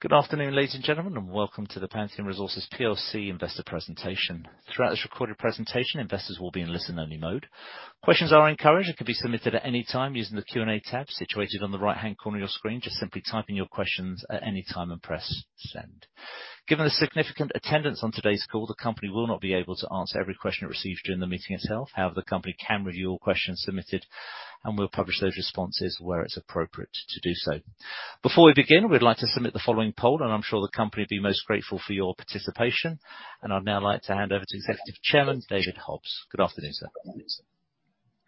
Good afternoon, ladies and gentlemen, and welcome to the Pantheon Resources Plc investor presentation. Throughout this recorded presentation, investors will be in listen-only mode. Questions are encouraged and can be submitted at any time using the Q&A tab situated on the right-hand corner of your screen. Just simply type in your questions at any time and press send. Given the significant attendance on today's call, the company will not be able to answer every question it receives during the meeting itself. However, the company can review all questions submitted, and we'll publish those responses where it's appropriate to do so. Before we begin, we'd like to submit the following poll, and I'm sure the company will be most grateful for your participation. I'd now like to hand over to Executive Chairman David Hobbs. Good afternoon, sir.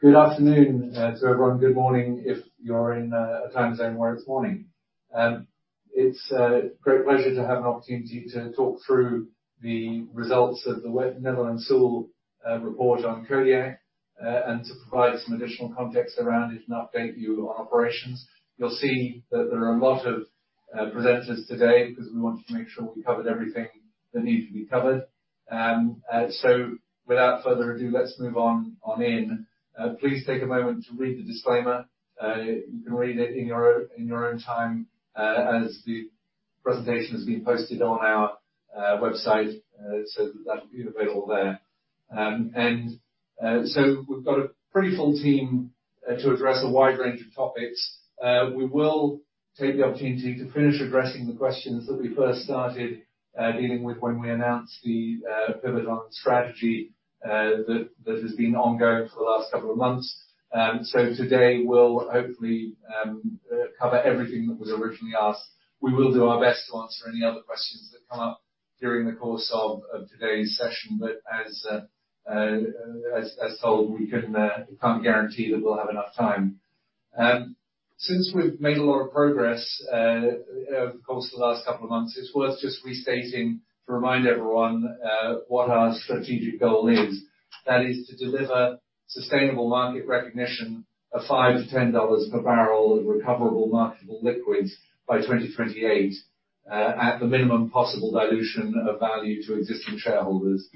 Good afternoon to everyone. Good morning if you're in a time zone where it's morning. It's a great pleasure to have an opportunity to talk through the results of the Netherland, Sewell report on Kodiak and to provide some additional context around it and update you on operations. You'll see that there are a lot of presenters today because we wanted to make sure we covered everything that needed to be covered. Without further ado, let's move on in. Please take a moment to read the disclaimer. You can read it in your own time as the presentation has been posted on our website. That'll be available there. We've got a pretty full team to address a wide range of topics. We will take the opportunity to finish addressing the questions that we first started dealing with when we announced the pivot on strategy that has been ongoing for the last couple of months. Today we'll hopefully cover everything that was originally asked. We will do our best to answer any other questions that come up during the course of today's session. As told, we can't guarantee that we'll have enough time. Since we've made a lot of progress over the course of the last couple of months, it's worth just restating to remind everyone what our strategic goal is. That is to deliver sustainable market recognition of $5-$10 per bbl of recoverable marketable liquids by 2028, at the minimum possible dilution of value to existing shareholders.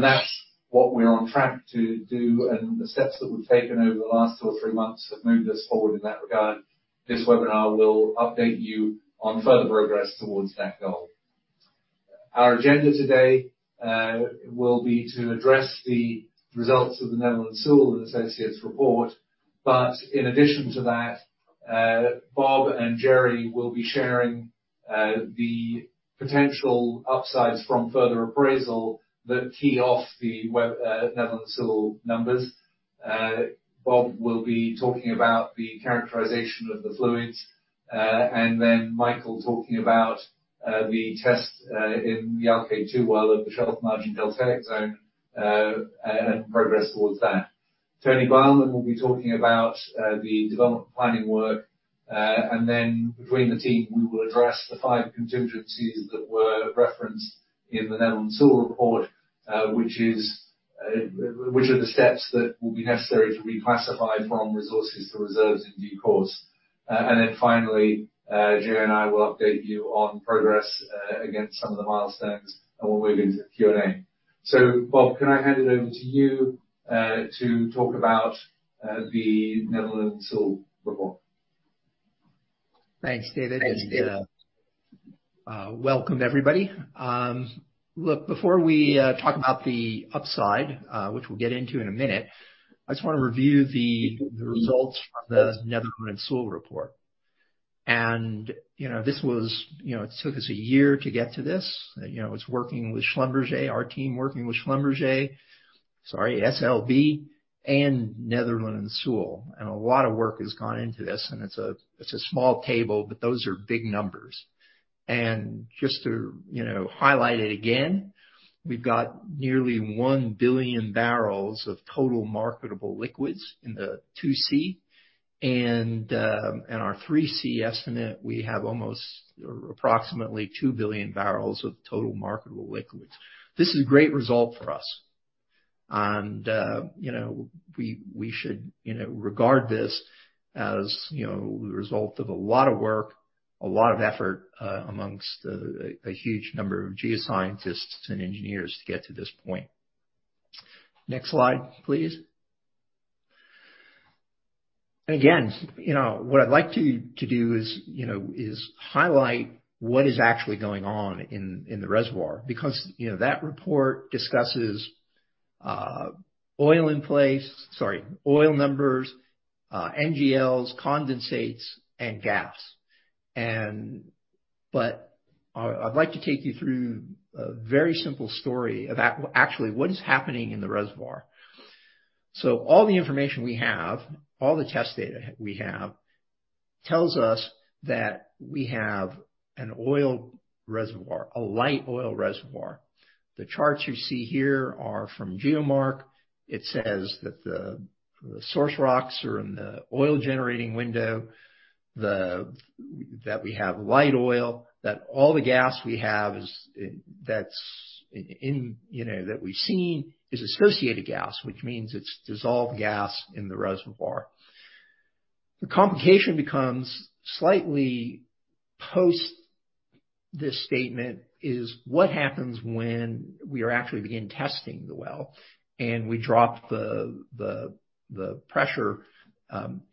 That's what we're on track to do, and the steps that we've taken over the last two or three months have moved us forward in that regard. This webinar will update you on further progress towards that goal. Our agenda today will be to address the results of the Netherland, Sewell & Associates report. In addition to that, Bob and Jerry will be sharing the potential upsides from further appraisal that key off the NSAI Netherland, Sewell numbers. Bob will be talking about the characterization of the fluids, and then Michael talking about the test in the Alkaid-2 well at the Shelf Margin Deltaic zone, and progress towards that. Tony Beilman will be talking about the development planning work. And then between the team, we will address the five contingencies that were referenced in the Netherland, Sewell report, which are the steps that will be necessary to reclassify from resources to reserves in due course. And then finally, Jerry and I will update you on progress against some of the milestones, and we'll move into the Q&A. Bob, can I hand it over to you to talk about the Netherland, Sewell report? Thanks, David. Thank you. Welcome everybody. Look, before we talk about the upside, which we'll get into in a minute, I just wanna review the results from the Netherland, Sewell report. You know, it took us a year to get to this. You know, it's working with Schlumberger, our team working with Schlumberger. Sorry, SLB and Netherland, Sewell. A lot of work has gone into this, and it's a small table, but those are big numbers. Just to, you know, highlight it again, we've got nearly 1 billion bbl of total marketable liquids in the 2C. Our 3C estimate, we have almost or approximately 2 billion bbl of total marketable liquids. This is a great result for us. You know, we should, you know, regard this as, you know, the result of a lot of work, a lot of effort, among a huge number of geoscientists and engineers to get to this point. Next slide, please. Again, you know, what I'd like to do is, you know, is highlight what is actually going on in the reservoir because, you know, that report discusses, oil in place. Sorry, oil numbers, NGLs, condensates and gas. I'd like to take you through a very simple story of actually what is happening in the reservoir. All the information we have, all the test data we have tells us that we have an oil reservoir, a light oil reservoir. The charts you see here are from GeoMark. It says that the source rocks are in the oil-generating window. That we have light oil, that all the gas we've seen is associated gas, which means it's dissolved gas in the reservoir. The complication becomes slightly. This statement is what happens when we are actually beginning testing the well and we drop the pressure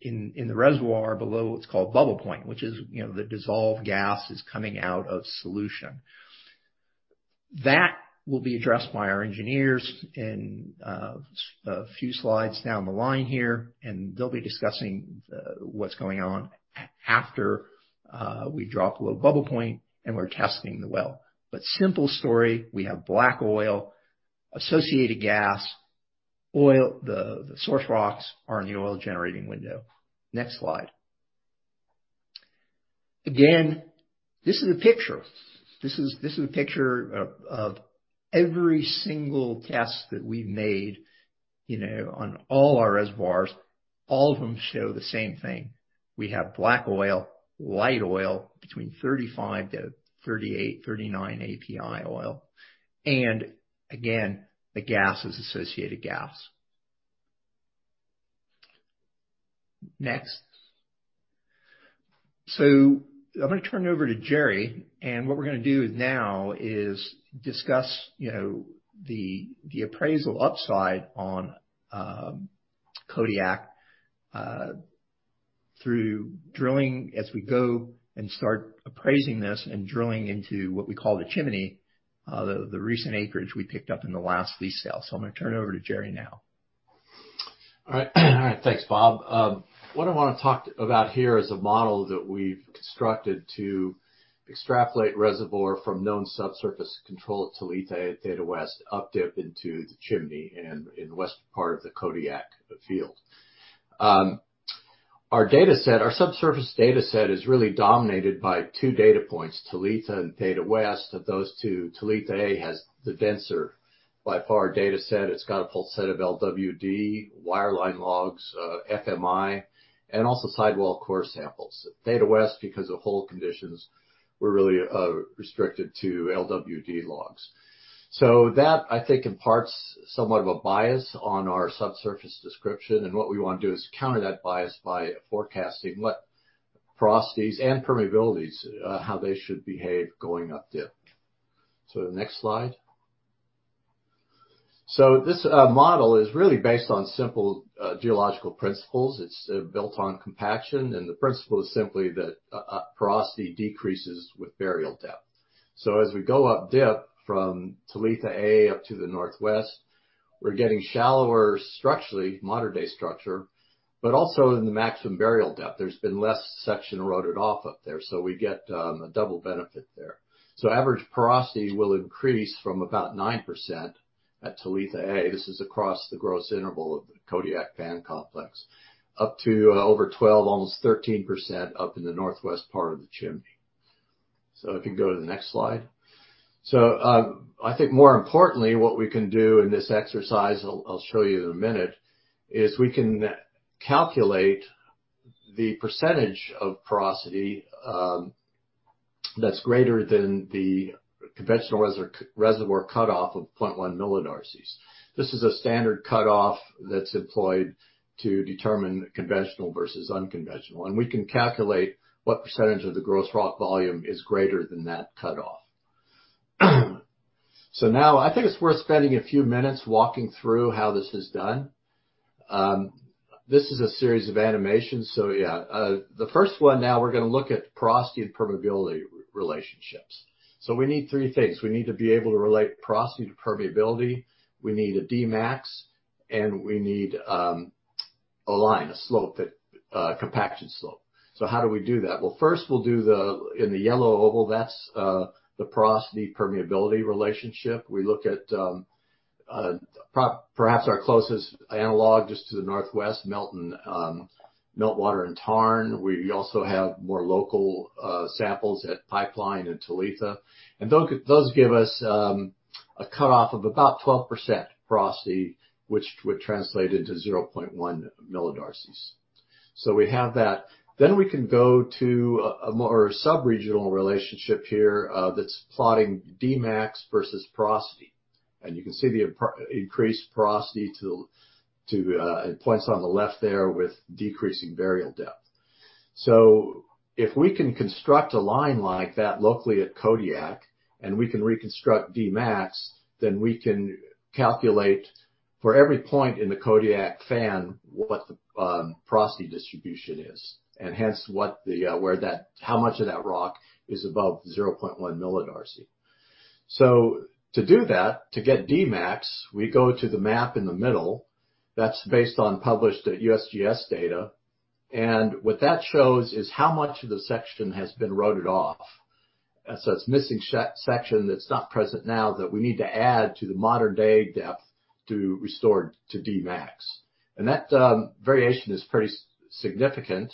in the reservoir below what's called bubble point, which is, you know, the dissolved gas is coming out of solution. That will be addressed by our engineers in a few slides down the line here, and they'll be discussing what's going on after we drop below bubble point and we're testing the well. Simple story, we have black oil, associated gas, oil. The source rocks are in the oil-generating window. Next slide. Again, this is a picture of every single test that we've made, you know, on all our reservoirs. All of them show the same thing. We have black oil, light oil between 35-38, 39 API oil. The gas is associated gas. Next. I'm gonna turn it over to Jerry, and what we're gonna do now is discuss, you know, the appraisal upside on Kodiak through drilling as we go and start appraising this and drilling into what we call the chimney, the recent acreage we picked up in the last lease sale. I'm gonna turn it over to Jerry now. All right. Thanks, Bob. What I wanna talk about here is a model that we've constructed to extrapolate reservoir from known subsurface control at Talitha, Theta West up dip into the chimney and in the western part of the Kodiak Field. Our data set, our subsurface data set is really dominated by two data points, Talitha and Theta West. Of those two, Talitha-A has the denser by far data set. It's got a full set of LWD, wireline logs, FMI, and also sidewall core samples. Theta West, because of hole conditions, we're really restricted to LWD logs. That I think imparts somewhat of a bias on our subsurface description, and what we wanna do is counter that bias by forecasting what porosities and permeabilities, how they should behave going up dip. The next slide. This model is really based on simple geological principles. It's built on compaction, and the principle is simply that a porosity decreases with burial depth. As we go up dip from Talitha-A up to the northwest, we're getting shallower structurally, modern-day structure, but also in the maximum burial depth. There's been less section eroded off up there, so we get a double benefit there. Average porosity will increase from about 9% at Talitha-A, this is across the gross interval of the Kodiak Fan Complex, up to over 12%, almost 13% up in the northwest part of the chimney. If you go to the next slide. I think more importantly, what we can do in this exercise, I'll show you in a minute, is we can calculate the percentage of porosity that's greater than the conventional reservoir cutoff of 0.1 millidarcies. This is a standard cutoff that's employed to determine conventional versus unconventional, and we can calculate what percentage of the gross rock volume is greater than that cutoff. Now I think it's worth spending a few minutes walking through how this is done. This is a series of animations. The first one, now we're gonna look at porosity and permeability relationships. We need three things. We need to be able to relate porosity to permeability. We need a Dmax, and we need a line, a slope that a compaction slope. How do we do that? Well, first we'll do the... In the yellow oval, that's the porosity-permeability relationship. We look at perhaps our closest analog just to the northwest, Meltwater and Tarn. We also have more local samples at Pipeline and Talitha. Those give us a cutoff of about 12% porosity, which would translate into 0.1 millidarcies. We have that. We can go to a more subregional relationship here, that's plotting Dmax versus porosity. You can see the increased porosity to points on the left there with decreasing burial depth. If we can construct a line like that locally at Kodiak, and we can reconstruct Dmax, then we can calculate for every point in the Kodiak Fan what the porosity distribution is, and hence what the where that. How much of that rock is above 0.1 millidarcy. To do that, to get Dmax, we go to the map in the middle. That's based on published USGS data. What that shows is how much of the section has been eroded off. It's missing section that's not present now that we need to add to the modern-day depth to restore to Dmax. That variation is pretty significant.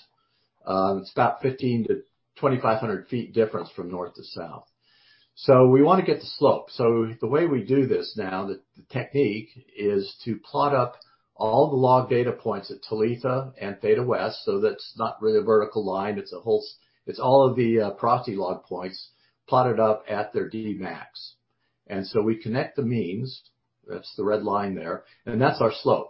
It's about 1,500-2,500 ft difference from north to south. We want to get the slope. The way we do this now, the technique, is to plot up all the log data points at Talitha and Theta West. That's not really a vertical line, it's a whole. It's all of the porosity log points plotted up at their Dmax. We connect the means, that's the red line there, and that's our slope.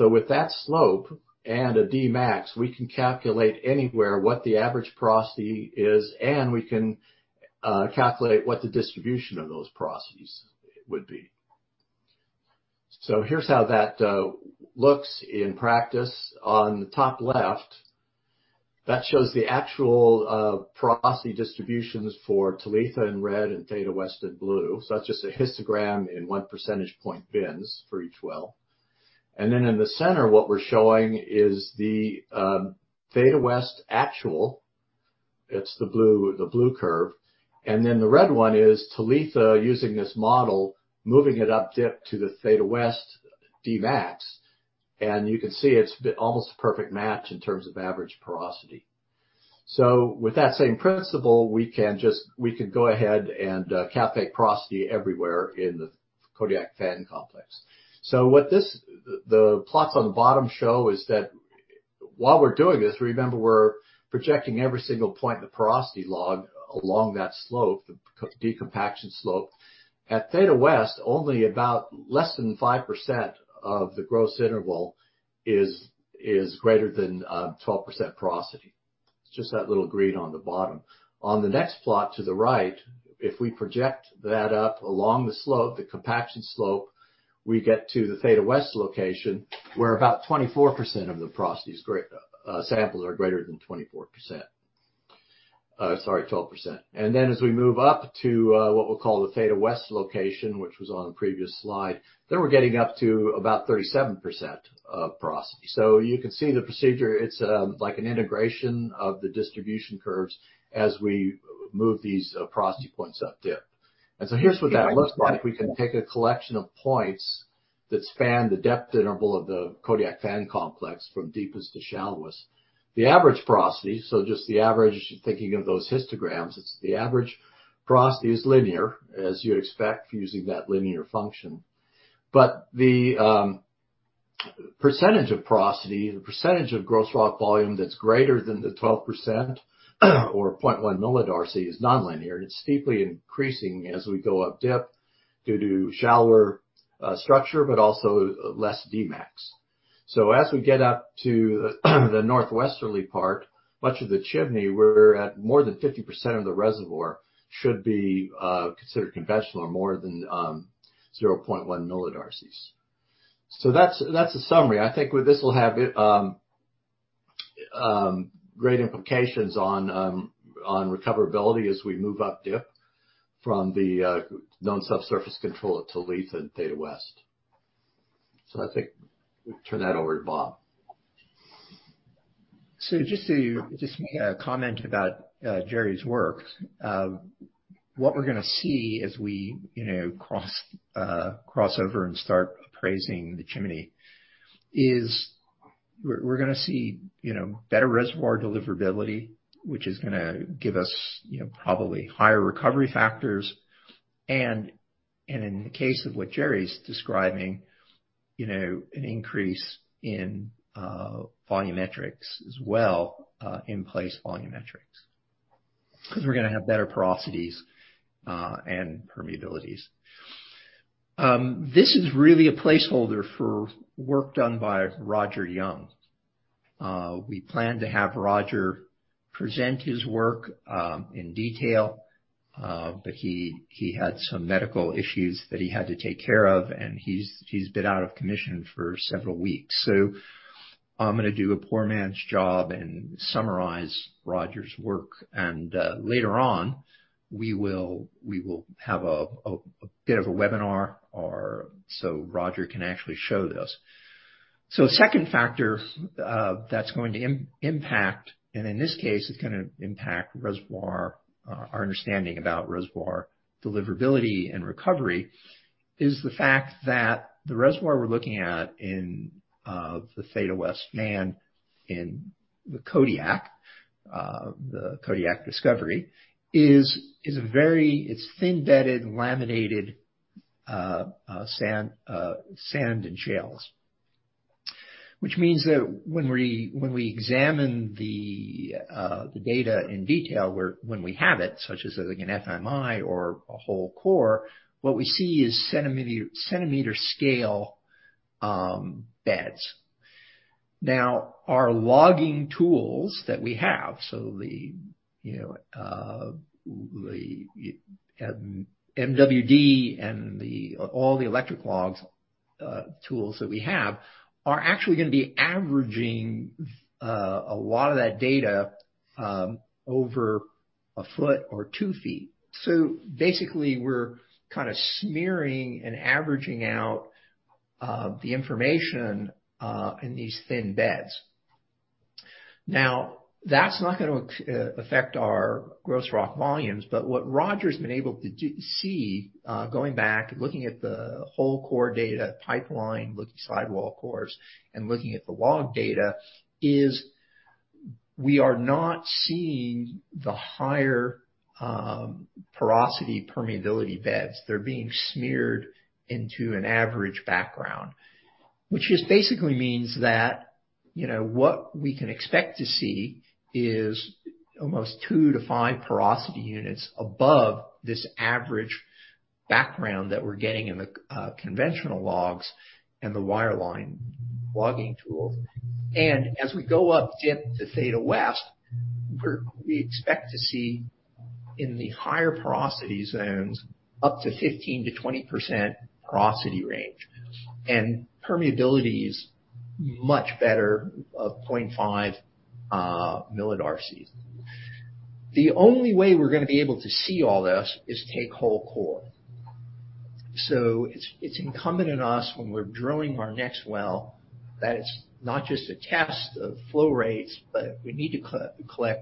With that slope and a Dmax, we can calculate anywhere what the average porosity is, and we can calculate what the distribution of those porosities would be. Here's how that looks in practice. On the top left, that shows the actual porosity distributions for Talitha in red and Theta West in blue. That's just a histogram in one percentage point bins for each well. Then in the center, what we're showing is the Theta West actual. It's the blue curve. Then the red one is Talitha using this model, moving it up dip to the Theta West Dmax, and you can see it's almost a perfect match in terms of average porosity. With that same principle, we can just... We can go ahead and calculate porosity everywhere in the Kodiak Fan Complex. The plots on the bottom show is that while we're doing this, remember we're projecting every single point in the porosity log along that slope, the decompaction slope. At Theta West, only about less than 5% of the gross interval is greater than 12% porosity. It's just that little green on the bottom. On the next plot to the right, if we project that up along the slope, the compaction slope, we get to the Theta West location, where about 24% of the porosity is greater, samples are greater than 24%. Sorry, 12%. As we move up to what we'll call the Theta West location, which was on the previous slide, then we're getting up to about 37% porosity. You can see the procedure. It's like an integration of the distribution curves as we move these porosity points up dip. Here's what that looks like. We can take a collection of points that span the depth interval of the Kodiak Fan Complex from deepest to shallowest. The average porosity, so just the average, thinking of those histograms, it's the average porosity is linear, as you'd expect using that linear function. The percentage of porosity, the percentage of gross rock volume that's greater than the 12% or 0.1 millidarcy is non-linear, and it's steeply increasing as we go up dip due to shallower structure, but also less Dmax. As we get up to the northwesterly part, much of the chimney, we're at more than 50% of the reservoir should be considered conventional or more than 0.1 millidarcies. That's a summary. I think with this will have it great implications on recoverability as we move up dip from the known subsurface control at Talitha and Theta West. I think turn that over to Bob. Just make a comment about Jerry's work. What we're gonna see as we, you know, cross over and start appraising the chimney is we're gonna see, you know, better reservoir deliverability, which is gonna give us, you know, probably higher recovery factors. In the case of what Jerry's describing, you know, an increase in volumetrics as well, in place volumetrics, 'cause we're gonna have better porosities and permeabilities. This is really a placeholder for work done by Roger Young. We planned to have Roger present his work in detail, but he had some medical issues that he had to take care of, and he's been out of commission for several weeks. I'm gonna do a poor man's job and summarize Roger's work. Later on, we will have a bit of a webinar so Roger can actually show this. Second factor that's going to impact, and in this case, it's gonna impact our understanding about reservoir deliverability and recovery, is the fact that the reservoir we're looking at in the Theta West fan in the Kodiak discovery is a very thin-bedded, laminated sand and shales. Which means that when we examine the data in detail, when we have it, such as like an FMI or a whole core, what we see is centimeter scale beds. Now, our logging tools that we have, the MWD and all the electric logs, tools that we have, are actually gonna be averaging a lot of that data over a foot or 2 ft. Basically, we're kinda smearing and averaging out the information in these thin beds. Now, that's not gonna affect our gross rock volumes, but what Roger's been able to do, going back, looking at the whole core data pipeline, looking sidewall cores and looking at the log data is we are not seeing the higher porosity permeability beds. They're being smeared into an average background, which just basically means that you know, what we can expect to see is almost two-five porosity units above this average background that we're getting in the conventional logs and the wireline logging tools. As we go up dip to Theta West, we expect to see in the higher porosity zones, up to 15%-20% porosity range, and permeability is much better, 0.5 millidarcies. The only way we're gonna be able to see all this is take whole core. It's incumbent on us when we're drilling our next well that it's not just a test of flow rates, but we need to collect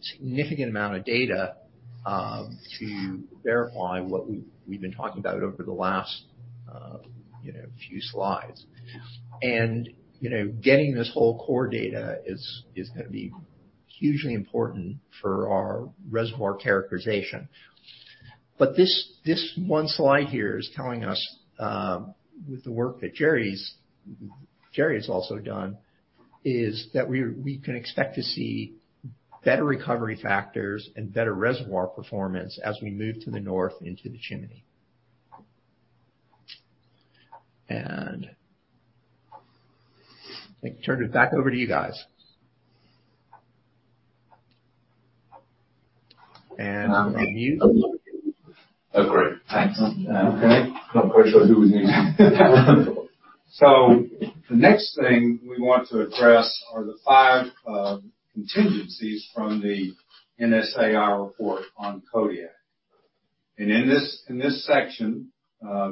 significant amount of data to verify what we've been talking about over the last you know, few slides. You know, getting this whole core data is gonna be hugely important for our reservoir characterization. This one slide here is telling us, with the work that Jerry's also done, is that we can expect to see better recovery factors and better reservoir performance as we move to the north into the chimney. I think turn it back over to you guys. Mute. Agreed. Thanks. Not quite sure who was muted. The next thing we want to address are the five contingencies from the NSAI report on Kodiak. In this section,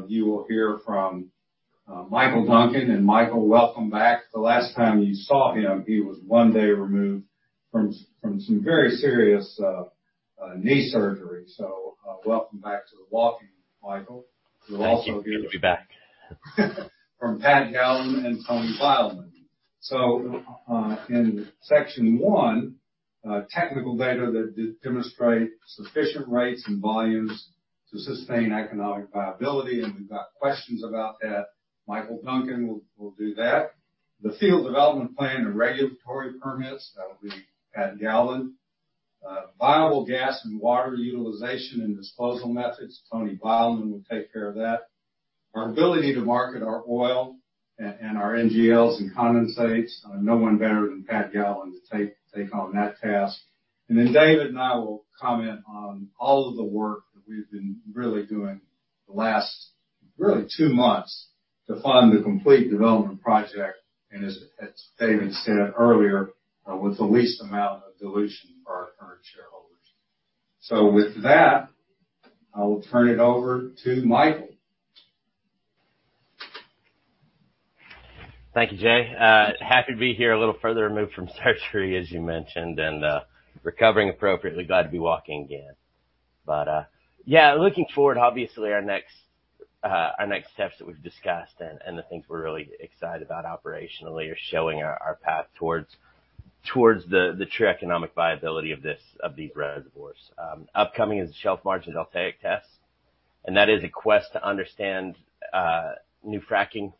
you will hear from Michael Duncan. Michael, welcome back. The last time you saw him, he was one day removed from some very serious knee surgery. Welcome back to the walking, Michael. Thank you. Good to be back. From Pat Galvin and Tony Beilman. In section one, technical data that demonstrate sufficient rates and volumes to sustain economic viability, and we've got questions about that, Michael Duncan will do that. The field development plan and regulatory permits, that'll be Pat Galvin. Viable gas and water utilization and disposal methods, Tony Beilman will take care of that. Our ability to market our oil and our NGLs and condensates, no one better than Pat Galvin to take on that task. Then David and I will comment on all of the work that we've been really doing the last really two months to fund the complete development project, and as David said earlier, with the least amount of dilution for our current shareholders. With that, I will turn it over to Michael. Thank you, Jay. Happy to be here a little further removed from surgery, as you mentioned, and recovering appropriately. Glad to be walking again. Yeah, looking forward, obviously our next steps that we've discussed and the things we're really excited about operationally are showing our path towards the true economic viability of these reservoirs. Upcoming is the Shelf Margin Deltaic tests, and that is a quest to understand new fracking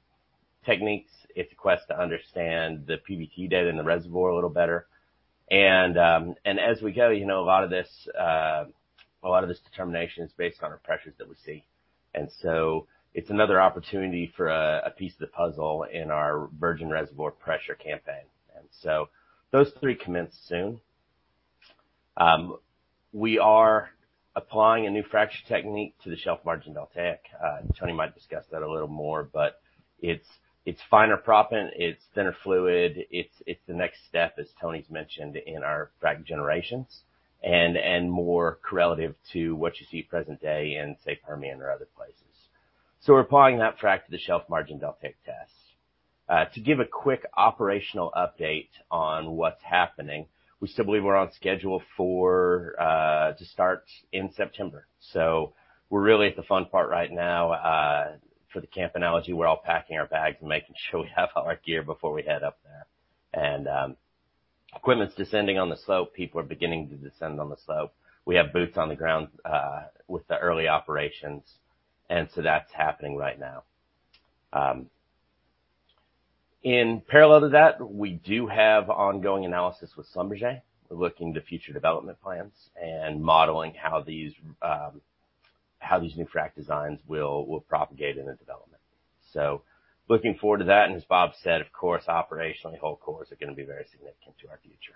techniques. It's a quest to understand the PVT data in the reservoir a little better. As we go, you know, a lot of this determination is based on our pressures that we see. It's another opportunity for a piece of the puzzle in our virgin reservoir pressure campaign. Those three commence soon. We are applying a new fracture technique to the Shelf Margin Deltaic. Tony might discuss that a little more, but it's finer proppant, it's thinner fluid. It's the next step, as Tony's mentioned, in our frack generations and more correlative to what you see present day in, say, Permian or other places. We're applying that frack to the Shelf Margin Deltaic tests. To give a quick operational update on what's happening, we still believe we're on schedule to start in September. We're really at the fun part right now for the camp analogy. We're all packing our bags and making sure we have all our gear before we head up there. Equipment's descending on the slope. People are beginning to descend on the slope. We have boots on the ground with the early operations, and so that's happening right now. In parallel to that, we do have ongoing analysis with Schlumberger. We're looking to future development plans and modeling how these new frack designs will propagate in the development. Looking forward to that, and as Bob said, of course, operationally, whole cores are gonna be very significant to our future.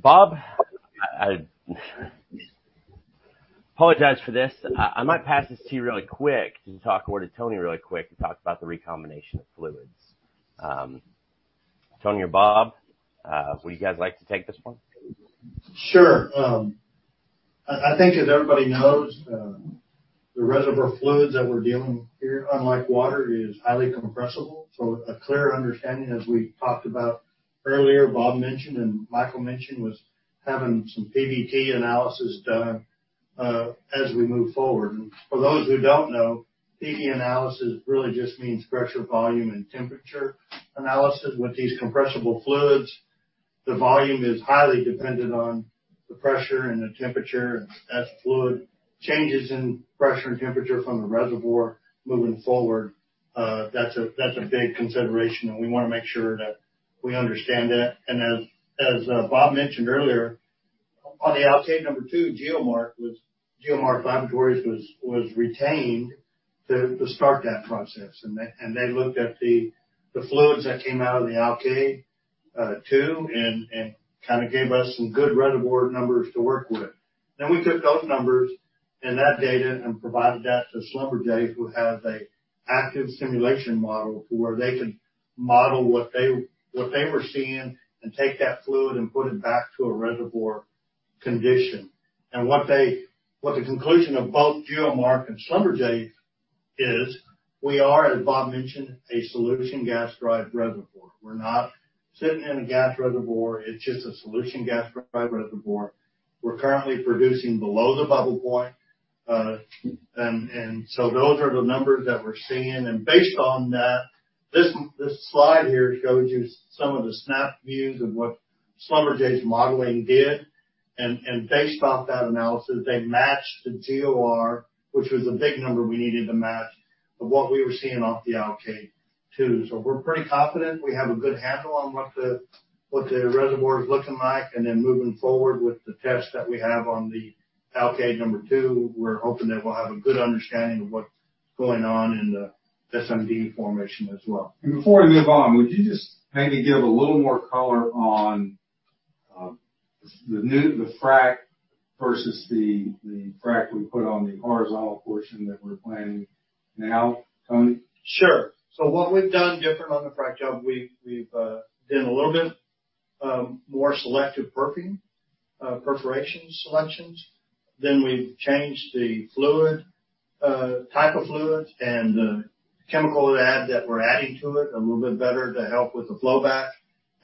Bob, I apologize for this. I might pass this to you really quick to talk over to Tony about the recombination of fluids. Tony or Bob, would you guys like to take this one? Sure. I think as everybody knows, the reservoir fluids that we're dealing with here, unlike water, is highly compressible. A clear understanding, as we talked about earlier, Bob mentioned and Michael mentioned, was having some PVT analysis done as we move forward. For those who don't know, PVT analysis really just means pressure, volume, and temperature analysis with these compressible fluids. The volume is highly dependent on the pressure and the temperature and as fluid changes in pressure and temperature from the reservoir moving forward, that's a big consideration, and we wanna make sure that we understand that. As Bob mentioned earlier, on the Alkaid #2, GeoMark Research was retained to start that process. They looked at the fluids that came out of the Alkaid #2 and kinda gave us some good reservoir numbers to work with. We took those numbers and that data and provided that to Schlumberger, who has an active simulation model where they could model what they were seeing and take that fluid and put it back to a reservoir condition. What the conclusion of both GeoMark and Schlumberger is, we are, as Bob mentioned, a solution gas drive reservoir. We're not sitting in a gas reservoir, it's just a solution gas drive reservoir. We're currently producing below the bubble point. Those are the numbers that we're seeing. Based on that, this slide here shows you some of the snap views of what Schlumberger's modeling did. Based off that analysis, they matched the GOR, which was a big number we needed to match of what we were seeing off the Alkaid #2. We're pretty confident we have a good handle on what the reservoir is looking like. Then moving forward with the test that we have on the Alkaid #2, we're hoping that we'll have a good understanding of what's going on in the SMD formation as well. Before we move on, would you just maybe give a little more color on the frack versus the frack we put on the horizontal portion that we're planning now, Tony? Sure. What we've done different on the frack job, we've done a little bit more selective perfing, perforation selections. We've changed the fluid type of fluid and the chemical add that we're adding to it a little bit better to help with the flow back.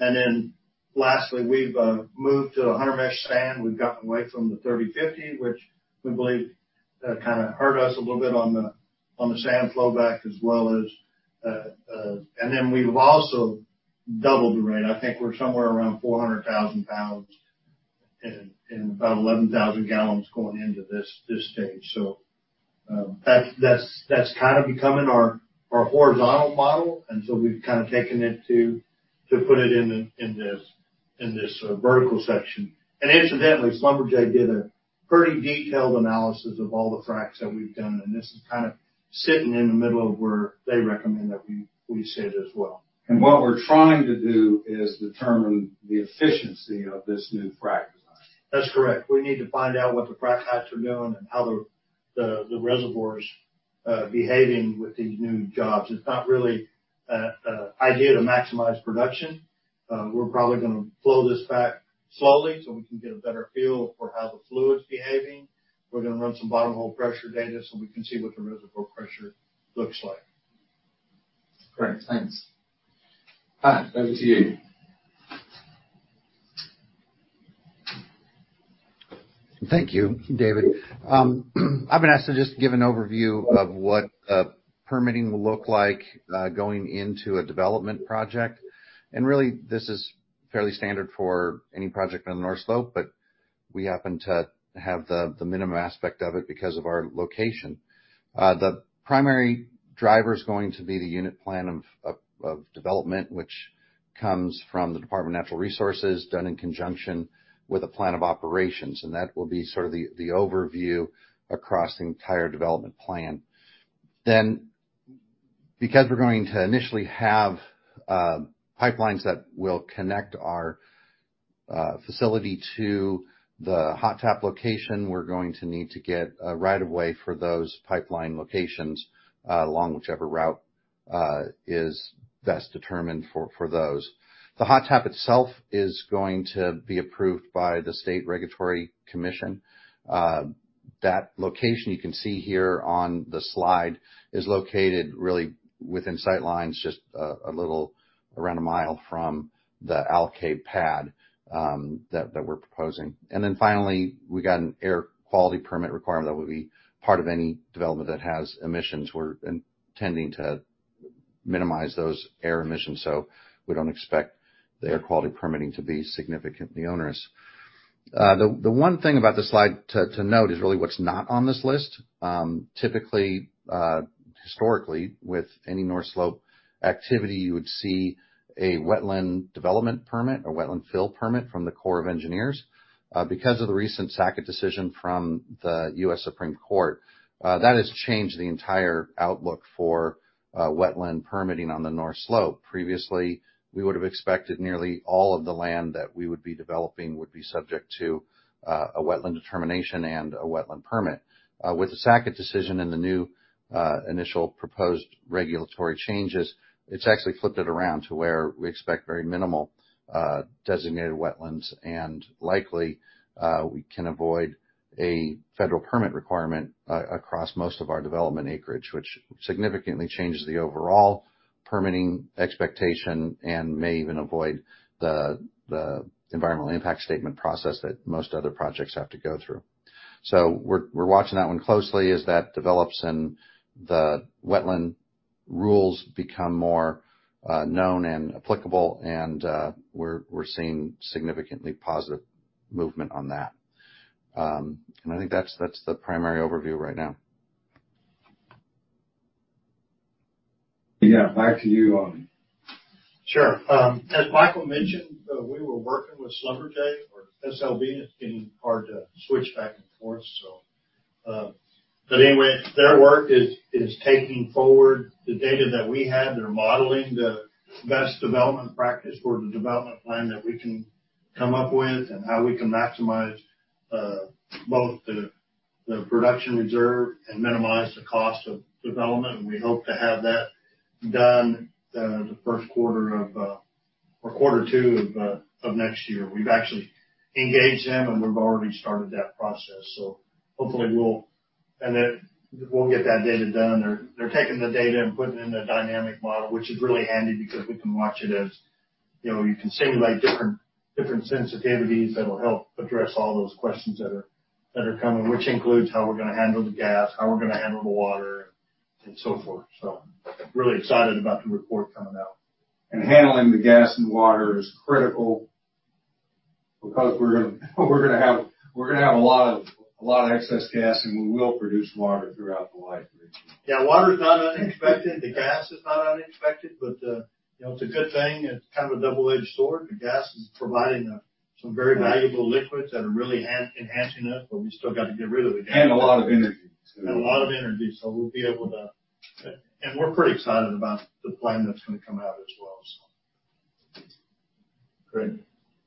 We've moved to a 100 mesh sand. We've gotten away from the 30/50, which we believe kinda hurt us a little bit on the sand flow back as well as. We've also doubled the rate. I think we're somewhere around 400,000 lbs and about 11,000 gal going into this stage. That's kinda becoming our horizontal model, and we've kinda taken it to put it in this vertical section. Incidentally, Schlumberger did a pretty detailed analysis of all the fracks that we've done, and this is kinda sitting in the middle of where they recommend that we sit as well. What we're trying to do is determine the efficiency of this new frack design. That's correct. We need to find out what the frack heights are doing and how the reservoir's behaving with these new jobs. It's not really ideal to maximize production. We're probably gonna flow this back slowly so we can get a better feel for how the fluid's behaving. We're gonna run some bottom hole pressure data so we can see what the reservoir pressure looks like. Great. Thanks. Pat, over to you. Thank you, David. I've been asked to just give an overview of what permitting will look like going into a development project. Really, this is fairly standard for any project on the North Slope, but we happen to have the minimum aspect of it because of our location. The primary driver is going to be the unit plan of development, which comes from the Department of Natural Resources, done in conjunction with a plan of operations. That will be sort of the overview across the entire development plan. Because we're going to initially have pipelines that will connect our facility to the hot tap location, we're going to need to get a right of way for those pipeline locations along whichever route is best determined for those. The hot tap itself is going to be approved by the Regulatory Commission of Alaska. That location you can see here on the slide is located really within sight lines, just a little around a mile from the Alkaid pad that we're proposing. Finally, we got an air quality permit requirement that would be part of any development that has emissions. We're intending to minimize those air emissions, so we don't expect the air quality permitting to be significantly onerous. The one thing about this slide to note is really what's not on this list. Typically, historically, with any North Slope activity, you would see a wetland development permit or wetland fill permit from the Corps of Engineers. Because of the recent Sackett decision from the U.S. Supreme Court, that has changed the entire outlook for wetland permitting on the North Slope. Previously, we would've expected nearly all of the land that we would be developing would be subject to a wetland determination and a wetland permit. With the Sackett decision and the new initial proposed regulatory changes, it's actually flipped it around to where we expect very minimal designated wetlands. Likely, we can avoid a federal permit requirement across most of our development acreage, which significantly changes the overall permitting expectation and may even avoid the environmental impact statement process that most other projects have to go through. We're watching that one closely as that develops and the wetland rules become more known and applicable, and we're seeing significantly positive movement on that. I think that's the primary overview right now. Yeah. Back to you Tony. Sure. As Michael mentioned, we were working with Schlumberger or SLB, and it's getting hard to switch back and forth, so. Anyway, their work is taking forward the data that we had. They're modeling the best development practice or the development plan that we can come up with and how we can maximize both the production reserve and minimize the cost of development. We hope to have that done the first quarter or quarter two of next year. We've actually engaged them, and we've already started that process. Hopefully we'll get that data done. They're taking the data and putting it in a dynamic model, which is really handy because we can watch it as, you know, you can simulate different sensitivities that'll help address all those questions that are coming, which includes how we're gonna handle the gas, how we're gonna handle the water and so forth. Really excited about the report coming out. Handling the gas and water is critical because we're gonna have a lot of excess gas, and we will produce water throughout the life of the Yeah, water is not unexpected. The gas is not unexpected, but, you know, it's a good thing. It's kind of a double-edged sword. The gas is providing some very valuable liquids that are really enhancing us, but we still got to get rid of the gas. A lot of energy too. A lot of energy. We'll be able to, and we're pretty excited about the plan that's gonna come out as well, so. Great.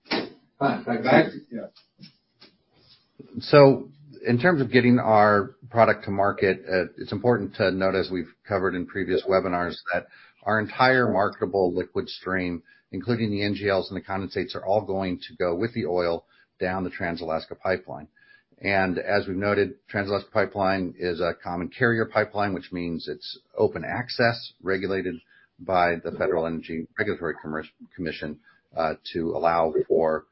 Can I add? Yes. In terms of getting our product to market, it's important to note, as we've covered in previous webinars, that our entire marketable liquid stream, including the NGLs and the condensates, are all going to go with the oil down the Trans-Alaska Pipeline. As we've noted, Trans-Alaska Pipeline is a common carrier pipeline, which means it's open access, regulated by the Federal Energy Regulatory Commission, to allow for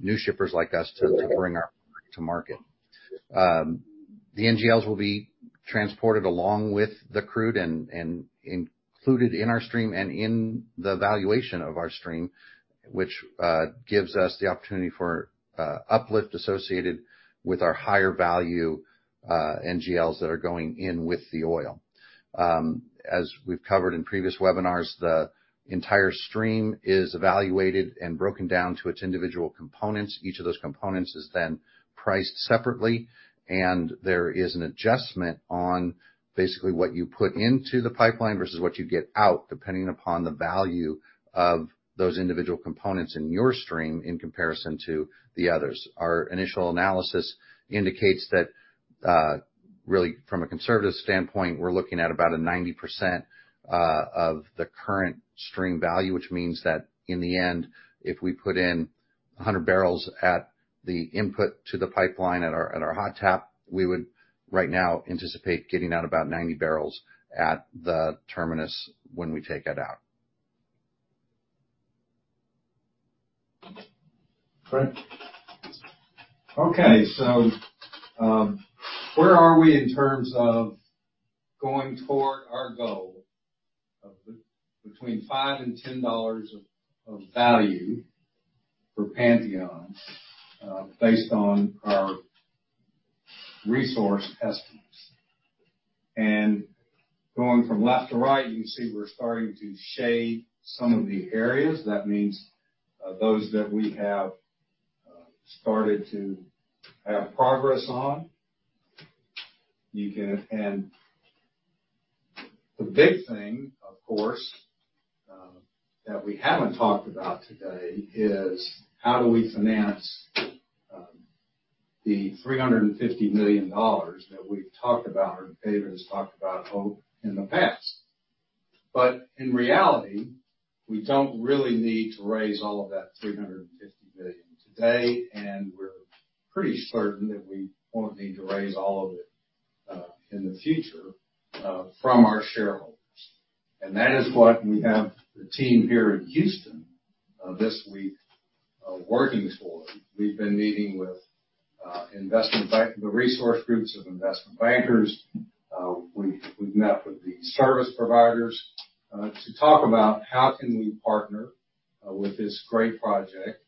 new shippers like us to bring our product to market. The NGLs will be transported along with the crude and included in our stream and in the valuation of our stream, which gives us the opportunity for uplift associated with our higher value NGLs that are going in with the oil. As we've covered in previous webinars, the entire stream is evaluated and broken down to its individual components. Each of those components is then priced separately, and there is an adjustment on basically what you put into the pipeline versus what you get out, depending upon the value of those individual components in your stream in comparison to the others. Our initial analysis indicates that, really from a conservative standpoint, we're looking at about a 90% of the current stream value. Which means that in the end, if we put in 100 bbl at the input to the pipeline at our hot tap, we would right now anticipate getting out about 90 bbl at the terminus when we take it out. Great. Okay. Where are we in terms of going toward our goal of between $5 and $10 of value for Pantheon, based on our resource estimates? Going from left to right, you can see we're starting to shade some of the areas. That means those that we have started to have progress on. The big thing, of course, that we haven't talked about today is how do we finance the $350 million that we've talked about, or David has talked about all in the past. In reality, we don't really need to raise all of that $350 million today, and we're pretty certain that we won't need to raise all of it in the future from our shareholders. That is what we have the team here in Houston this week working for. We've been meeting with investment banks, the resource groups of investment bankers. We've met with the service providers to talk about how can we partner with this great project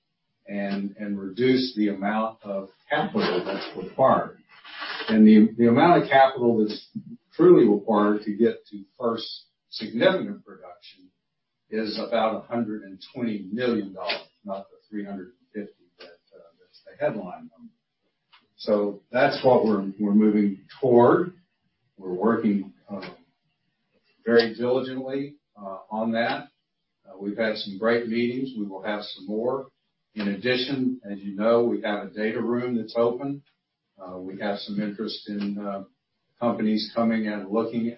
and reduce the amount of capital that's required. The amount of capital that's truly required to get to first significant production is about $120 million, not the $350 million that's the headline number. That's what we're moving toward. We're working very diligently on that. We've had some great meetings. We will have some more. In addition, as you know, we have a data room that's open. We have some interest in companies coming and looking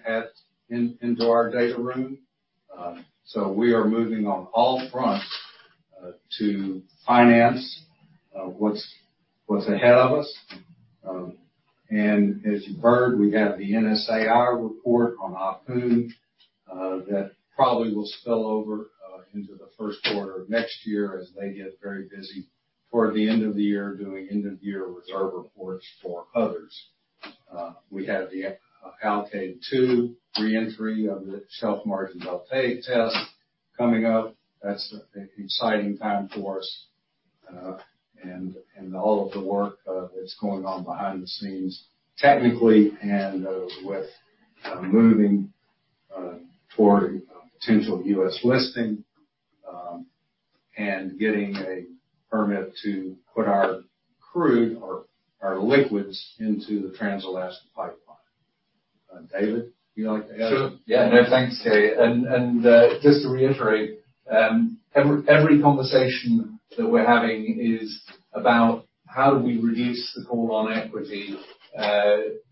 into our data room. We are moving on all fronts to finance what's ahead of us. As you've heard, we have the NSAI report on Ahpun that probably will spill over into the first quarter of next year as they get very busy toward the end of the year doing end-of-year reserve reports for others. We have the Alkaid-2 reentry of the Shelf Margin Deltaic test coming up. That's an exciting time for us and all of the work that's going on behind the scenes technically and with moving toward potential U.S. listing and getting a permit to put our crude or our liquids into the Trans-Alaska Pipeline. David, would you like to add? Sure. Yeah. No, thanks, Jay. Just to reiterate, every conversation that we're having is about how do we reduce the call on equity,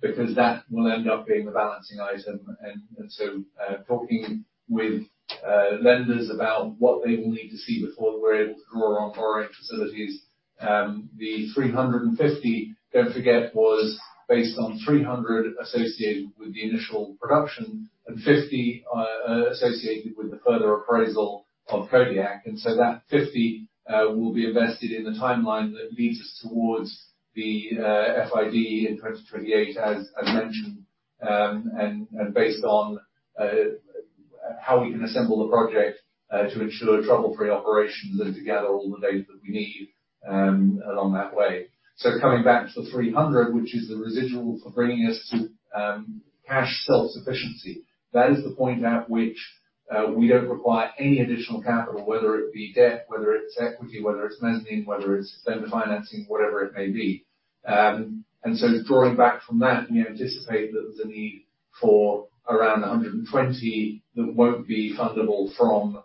because that will end up being the balancing item. Talking with lenders about what they will need to see before we're able to draw on financing facilities. The $350 million, don't forget, was based on $300 million associated with the initial production and $50 million associated with the further appraisal of Kodiak. That $50 million will be invested in the timeline that leads us towards the FID in 2028, as mentioned, and based on how we can assemble the project to ensure trouble-free operations and to gather all the data that we need along that way. Coming back to the $300 million, which is the residual for bringing us to cash self-sufficiency. That is the point at which we don't require any additional capital, whether it be debt, whether it's equity, whether it's mezzanine, whether it's lender financing, whatever it may be. Drawing back from that, we anticipate that the need for around $120 million that won't be fundable from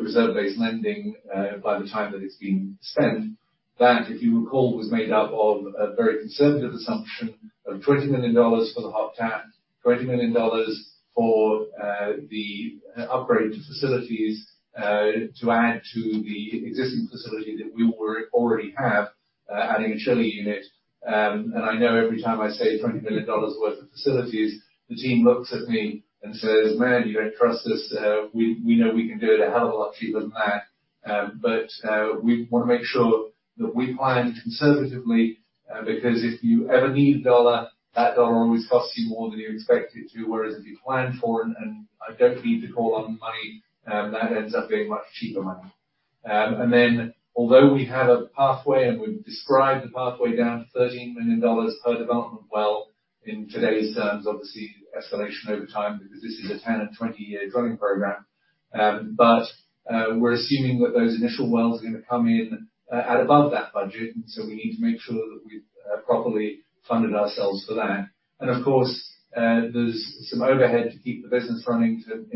reserve-based lending by the time that it's being spent. That, if you recall, was made up of a very conservative assumption of $20 million for the hot tap, $20 million for the upgrade to facilities to add to the existing facility that we already have, adding a chilling unit. I know every time I say $20 million worth of facilities, the team looks at me and says, "Man, you don't trust us. We know we can do it a hell of a lot cheaper than that." We want to make sure that we plan conservatively, because if you ever need a dollar, that dollar always costs you more than you expect it to, whereas if you plan for it and I don't need to call on the money, that ends up being much cheaper money. Although we have a pathway and we've described the pathway down to $13 million per development well in today's terms, obviously escalation over time because this is a 10- and 20-year drilling program. We're assuming that those initial wells are gonna come in at above that budget, and so we need to make sure that we've properly funded ourselves for that. Of course, there's some overhead to keep the business running to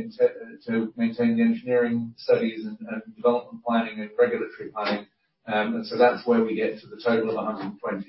maintain the engineering studies and development planning and regulatory planning. That's where we get to the total of $120 million.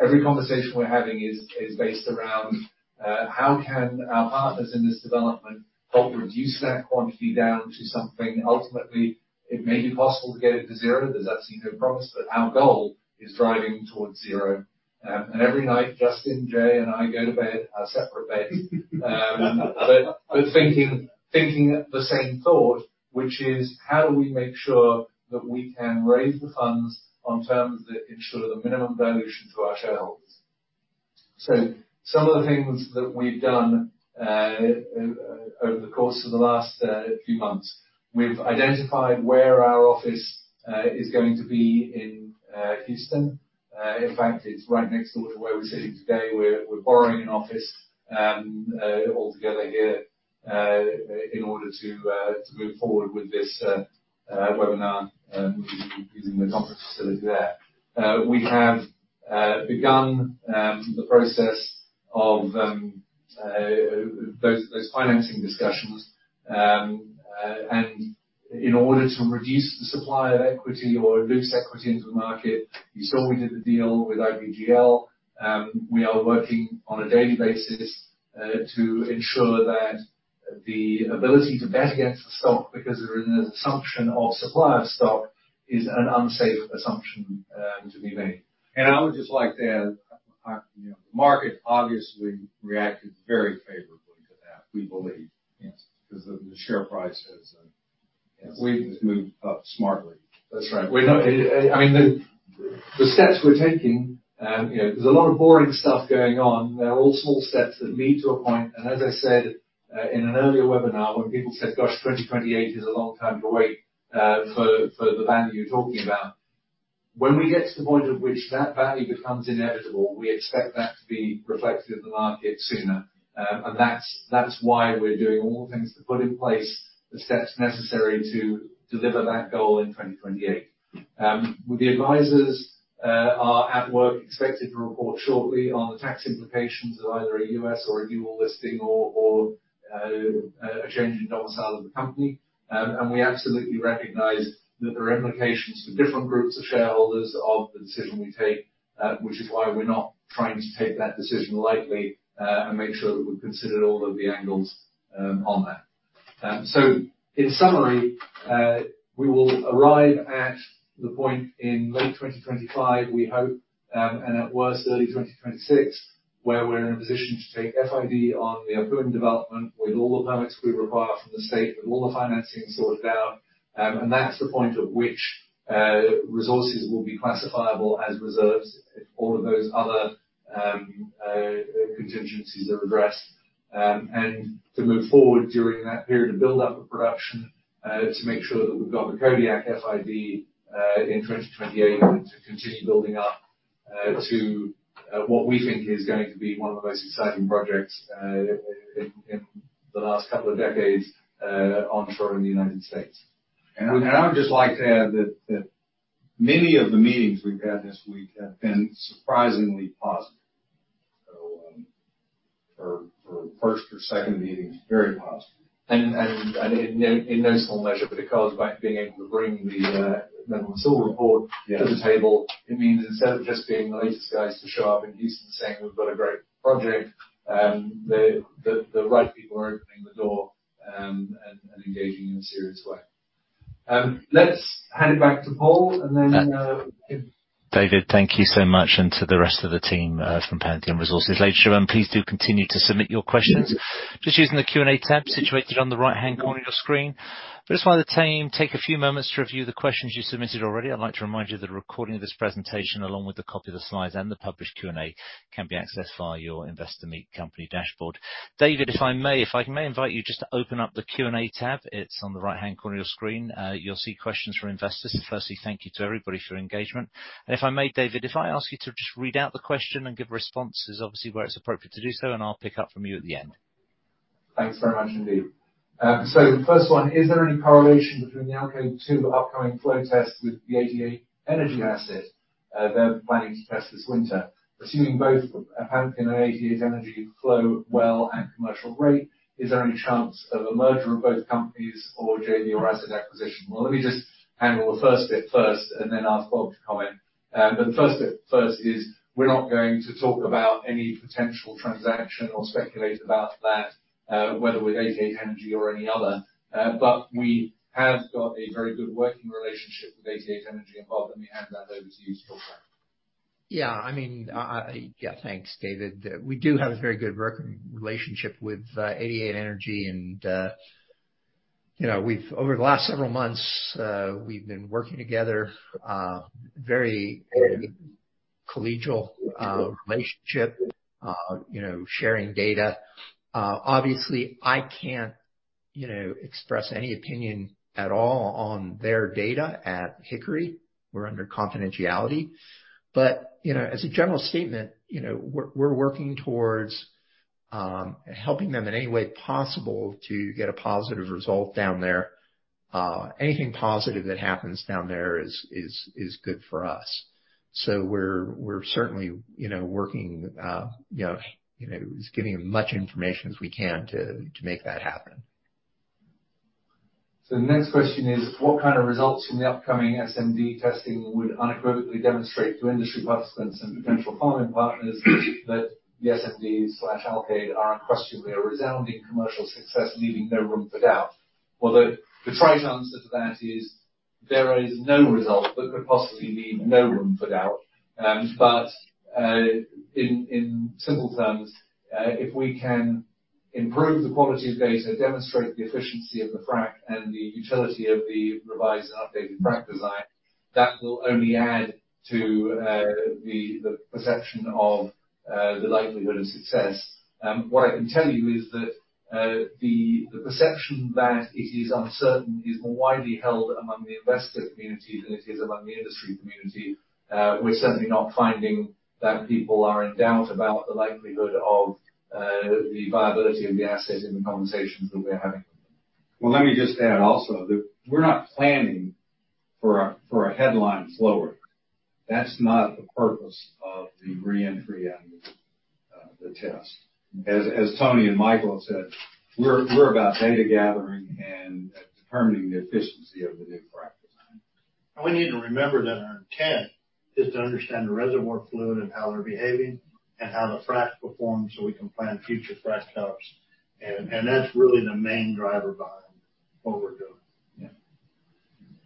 Every conversation we're having is based around how can our partners in this development help reduce that quantity down to something. Ultimately, it may be possible to get it to zero. There's absolutely no promise, but our goal is driving towards zero. Every night, Justin, Jay, and I go to bed, our separate beds but thinking the same thought, which is how do we make sure that we can raise the funds on terms that ensure the minimum valuation to our shareholders? Some of the things that we've done over the course of the last few months, we've identified where our office is going to be in Houston. In fact, it's right next door to where we're sitting today. We're borrowing an office all together here in order to move forward with this webinar using the conference facility there. We have begun the process of those financing discussions. In order to reduce the supply of equity or loose equity into the market, you saw we did the deal with IBKR. We are working on a daily basis, to ensure that the ability to bet against the stock because there is an assumption of supply of stock is an unsafe assumption, to be made. I would just like to add, you know, the market obviously reacted very favorably to that, we believe. Yes. Because the share price has- Yes.... moved up smartly. That's right. I mean, the steps we're taking, you know, there's a lot of boring stuff going on. They're all small steps that lead to a point. As I said, in an earlier webinar when people said, "Gosh, 2028 is a long time to wait for the value you're talking about." When we get to the point at which that value becomes inevitable, we expect that to be reflected in the market sooner. That's why we're doing all things to put in place the steps necessary to deliver that goal in 2028. The advisors are at work, expected to report shortly on the tax implications of either a U.S. or a dual listing or a change in domicile of the company. We absolutely recognize that there are implications for different groups of shareholders of the decision we take, which is why we're not trying to take that decision lightly, and make sure that we've considered all of the angles, on that. In summary, we will arrive at the point in late 2025, we hope, and at worst, early 2026 where we're in a position to take FID on the approved development with all the permits we require from the state, with all the financing sorted out. That's the point at which, resources will be classifiable as reserves if all of those other, contingencies are addressed. To move forward during that period of build-up of production, to make sure that we've got the Kodiak FID in 2028 and to continue building up to what we think is going to be one of the most exciting projects in the last couple of decades onshore in the United States. I would just like to add that many of the meetings we've had this week have been surprisingly positive. So, for first or second meetings, very positive. In no small measure, but because by being able to bring the Netherland, Sewell report- Yes.... to the table, it means instead of just being the latest guys to show up in Houston saying, "We've got a great project," the right people are opening the door, and engaging in a serious way. Let's hand it back to Paul, and then. David, thank you so much, and to the rest of the team from Pantheon Resources. Ladies and gentlemen, please do continue to submit your questions just using the Q&A tab situated on the right-hand corner of your screen. Just while the team take a few moments to review the questions you submitted already, I'd like to remind you that a recording of this presentation, along with a copy of the slides and the published Q&A, can be accessed via your Investor Meet Company dashboard. David, if I may invite you just to open up the Q&A tab. It's on the right-hand corner of your screen. You'll see questions from investors. Firstly, thank you to everybody for your engagement. If I may, David, if I ask you to just read out the question and give responses, obviously, where it's appropriate to do so, and I'll pick up from you at the end. Thanks very much indeed. So the first one, is there any correlation between the Alkaid-2 upcoming flow test with the 88 Energy asset, they're planning to test this winter? Assuming both Pantheon and 88 Energy flow well and commercial rate, is there any chance of a merger of both companies or JV or asset acquisition? Well, let me just handle the first bit first, and then ask Bob to comment. The first bit first is, we're not going to talk about any potential transaction or speculate about that, whether with 88 Energy or any other. We have got a very good working relationship with 88 Energy. Bob, let me hand that over to you to talk about. Yeah, thanks, David. We do have a very good working relationship with 88 Energy. You know, over the last several months, we've been working together, very collegial relationship, you know, sharing data. Obviously, I can't, you know, express any opinion at all on their data at Hickory. We're under confidentiality. You know, as a general statement, you know, we're working towards helping them in any way possible to get a positive result down there. Anything positive that happens down there is good for us. We're certainly, you know, working, you know, just getting as much information as we can to make that happen. The next question is, what kind of results from the upcoming SMD testing would unequivocally demonstrate to industry participants and potential farming partners that the SMDs/Alkaid are unquestionably a resounding commercial success, leaving no room for doubt? Although the trite answer to that is, there is no result that could possibly leave no room for doubt. In simple terms, if we can improve the quality of data, demonstrate the efficiency of the frack and the utility of the revised and updated frack design, that will only add to the perception of the likelihood of success. What I can tell you is that the perception that it is uncertain is more widely held among the investor community than it is among the industry community. We're certainly not finding that people are in doubt about the likelihood of the viability of the asset in the conversations that we're having with them. Well, let me just add also that we're not planning for a headline flow rate. That's not the purpose of the re-entry and the test. As Tony and Michael have said, we're about data gathering and determining the efficiency of the new frack design. We need to remember that our intent is to understand the reservoir fluid and how they're behaving and how the frack performs so we can plan future frack jobs. That's really the main driver behind what we're doing.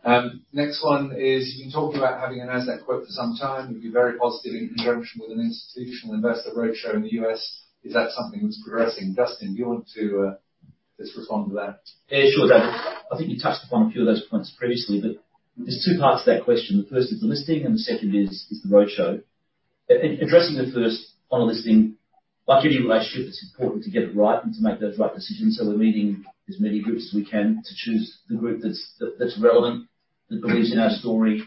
Yeah. Next one is, you've been talking about having an asset quote for some time. You've been very positive in conjunction with an institutional investor roadshow in the U.S. Is that something that's progressing? Justin, do you want to just respond to that? Yeah, sure, David. I think you touched upon a few of those points previously. There's two parts to that question. The first is the listing, and the second is the roadshow. Addressing the first on the listing, like any relationship, it's important to get it right and to make those right decisions. We're meeting as many groups as we can to choose the group that's relevant, that believes in our story.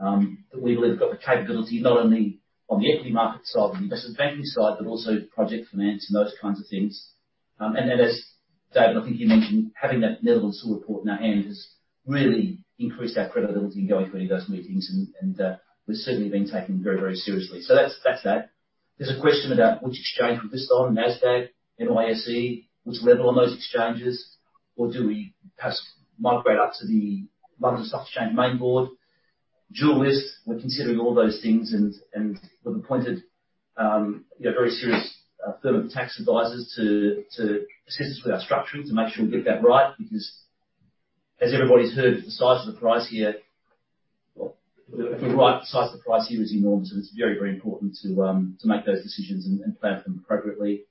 That we believe has got the capability, not only on the equity market side and the investment banking side, but also project finance and those kinds of things. And as David, I think you mentioned, having that Netherland, Sewell report in our hand has really increased our credibility going to any of those meetings. We're certainly being taken very seriously. That's that. There's a question about which exchange we're listed on, Nasdaq, NYSE, which level on those exchanges, or do we perhaps migrate up to the London Stock Exchange main board? Dual list, we're considering all those things, and we've appointed, you know, very serious firm of tax advisors to assist us with our structuring to make sure we get that right, because as everybody's heard, the size of the prize here... Well, the right size, the price here is enormous, and it's very, very important to make those decisions and plan for them appropriately.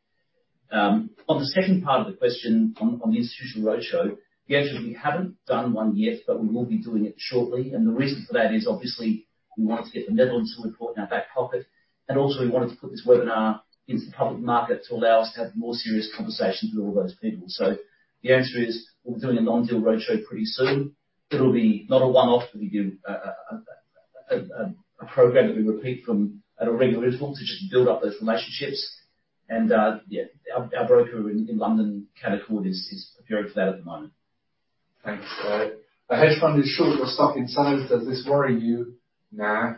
On the second part of the question on the institutional roadshow, the answer is we haven't done one yet, but we will be doing it shortly. The reason for that is obviously we wanted to get the Netherland report in our back pocket, and also we wanted to put this webinar into the public market to allow us to have more serious conversations with all those people. The answer is we're doing a non-deal roadshow pretty soon. It'll be not a one-off. It'll be a program that we repeat from at a regular interval to just build up those relationships. Yeah, our broker in London, Canaccord, is preparing for that at the moment. Thanks. The hedge fund is short your stock in size. Does this worry you? Nah.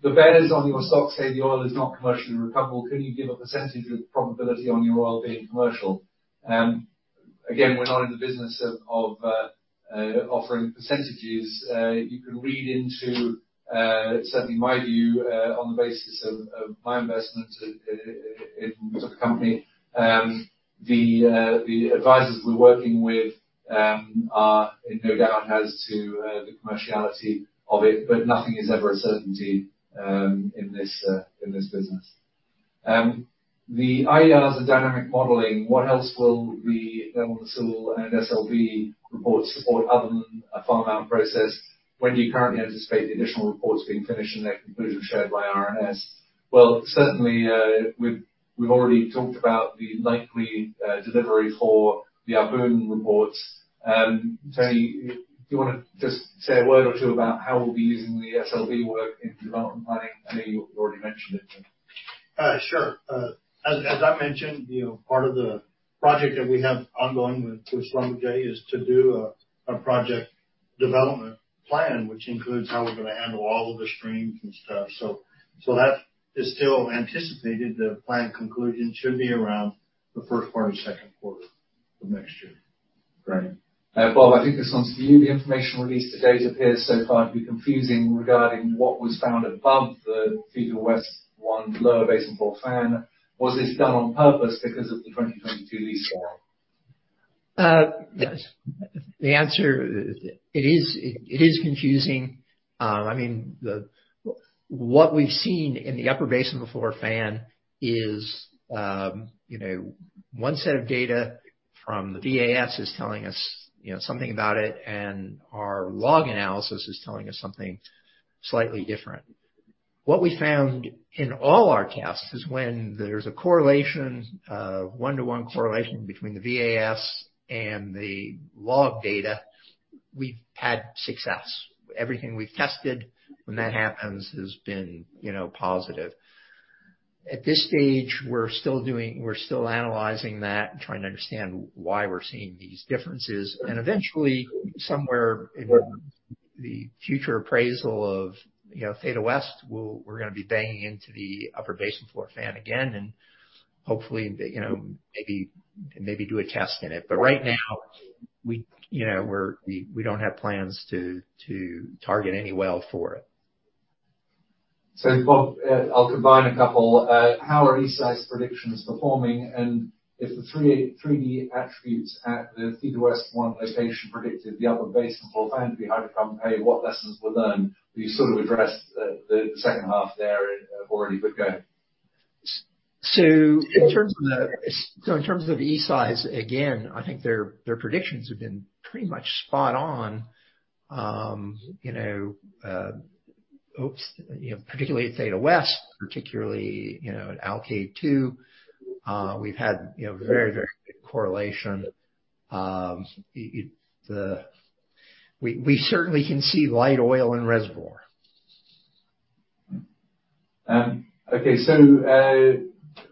The bears on your stock say the oil is not commercially recoverable. Can you give a percentage of probability on your oil being commercial? Again, we're not in the business of offering percentages. You can read into certainly my view on the basis of my investment in the company. The advisors we're working with are in no doubt as to the commerciality of it, but nothing is ever a certainty in this business. The IAR has a dynamic modeling. What else will the level of detail and SLB reports support other than a farm-out process? When do you currently anticipate the additional reports being finished and their conclusions shared by RNS? Well, certainly, we've already talked about the likely delivery for the Aberdeen reports. Tony, do you wanna just say a word or two about how we'll be using the SLB work in development planning? I know you already mentioned it. Sure. As I mentioned, you know, part of the project that we have ongoing with Schlumberger is to do a project development plan, which includes how we're gonna handle all of the streams and stuff. That is still anticipated. The plan conclusion should be around the first quarter, second quarter of next year. Great. Bob, I think this one's for you. The information released to date appears so far to be confusing regarding what was found above the Theta West-1 lower basin floor fan. Was this done on purpose because of the 2022 lease form? Yes. The answer is it is confusing. I mean, what we've seen in the upper basin floor fan is, you know, one set of data from the AVO is telling us, you know, something about it, and our log analysis is telling us something slightly different. What we found in all our tests is when there's a correlation, one-to-one correlation between the AVO and the log data, we've had success. Everything we've tested when that happens has been, you know, positive. At this stage, we're still analyzing that and trying to understand why we're seeing these differences. Eventually, somewhere in the future appraisal of, you know, Theta West, we're gonna be banging into the upper basin floor fan again and hopefully, you know, maybe do a test in it. Right now, we, you know, we don't have plans to target any well for it. Bob, I'll combine a couple. How are eSeis predictions performing? If the 3D attributes at the Theta West-1 location predicted the upper basin floor fan to be hydrocarbon pay, what lessons were learned? You sort of addressed the second half there already, but go ahead. In terms of eSeis, again, I think their predictions have been pretty much spot on. Particularly at Theta West, at Alkaid #2, we've had very good correlation. We certainly can see light oil in reservoir.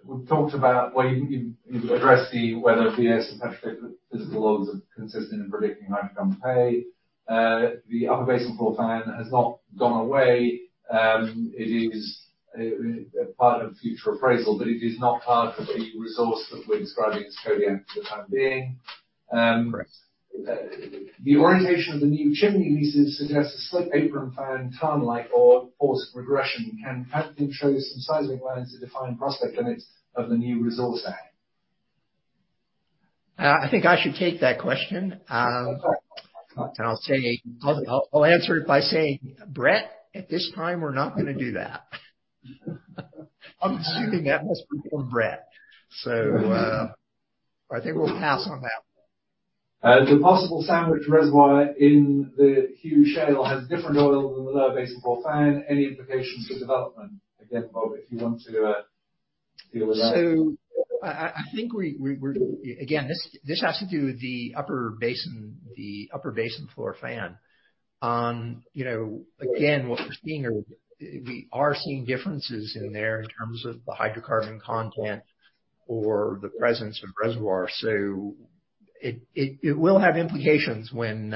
We've talked about. Well, you've addressed whether VSP and the physical logs are consistent in predicting hydrocarbon pay. The upper basin floor fan has not gone away. It is part of future appraisal, but it is not part of the resource that we're describing as Kodiak for the time being. Correct. The orientation of the new chimney leases suggests a slope apron fan turbidite-like or forced regression. AVO shows some seismic lines to define prospect limits of the new resource add. I think I should take that question. I'll answer it by saying, Brett, at this time, we're not gonna do that. I'm assuming that must be from Brett. I think we'll pass on that one. The possible sandwich reservoir in the huge shale has different oil than the lower basin floor fan. Any implications for development? Again, Bob, if you want to deal with that. Again, this has to do with the upper basin floor fan. You know, again, what we are seeing are differences in there in terms of the hydrocarbon content or the presence of reservoir. It will have implications when,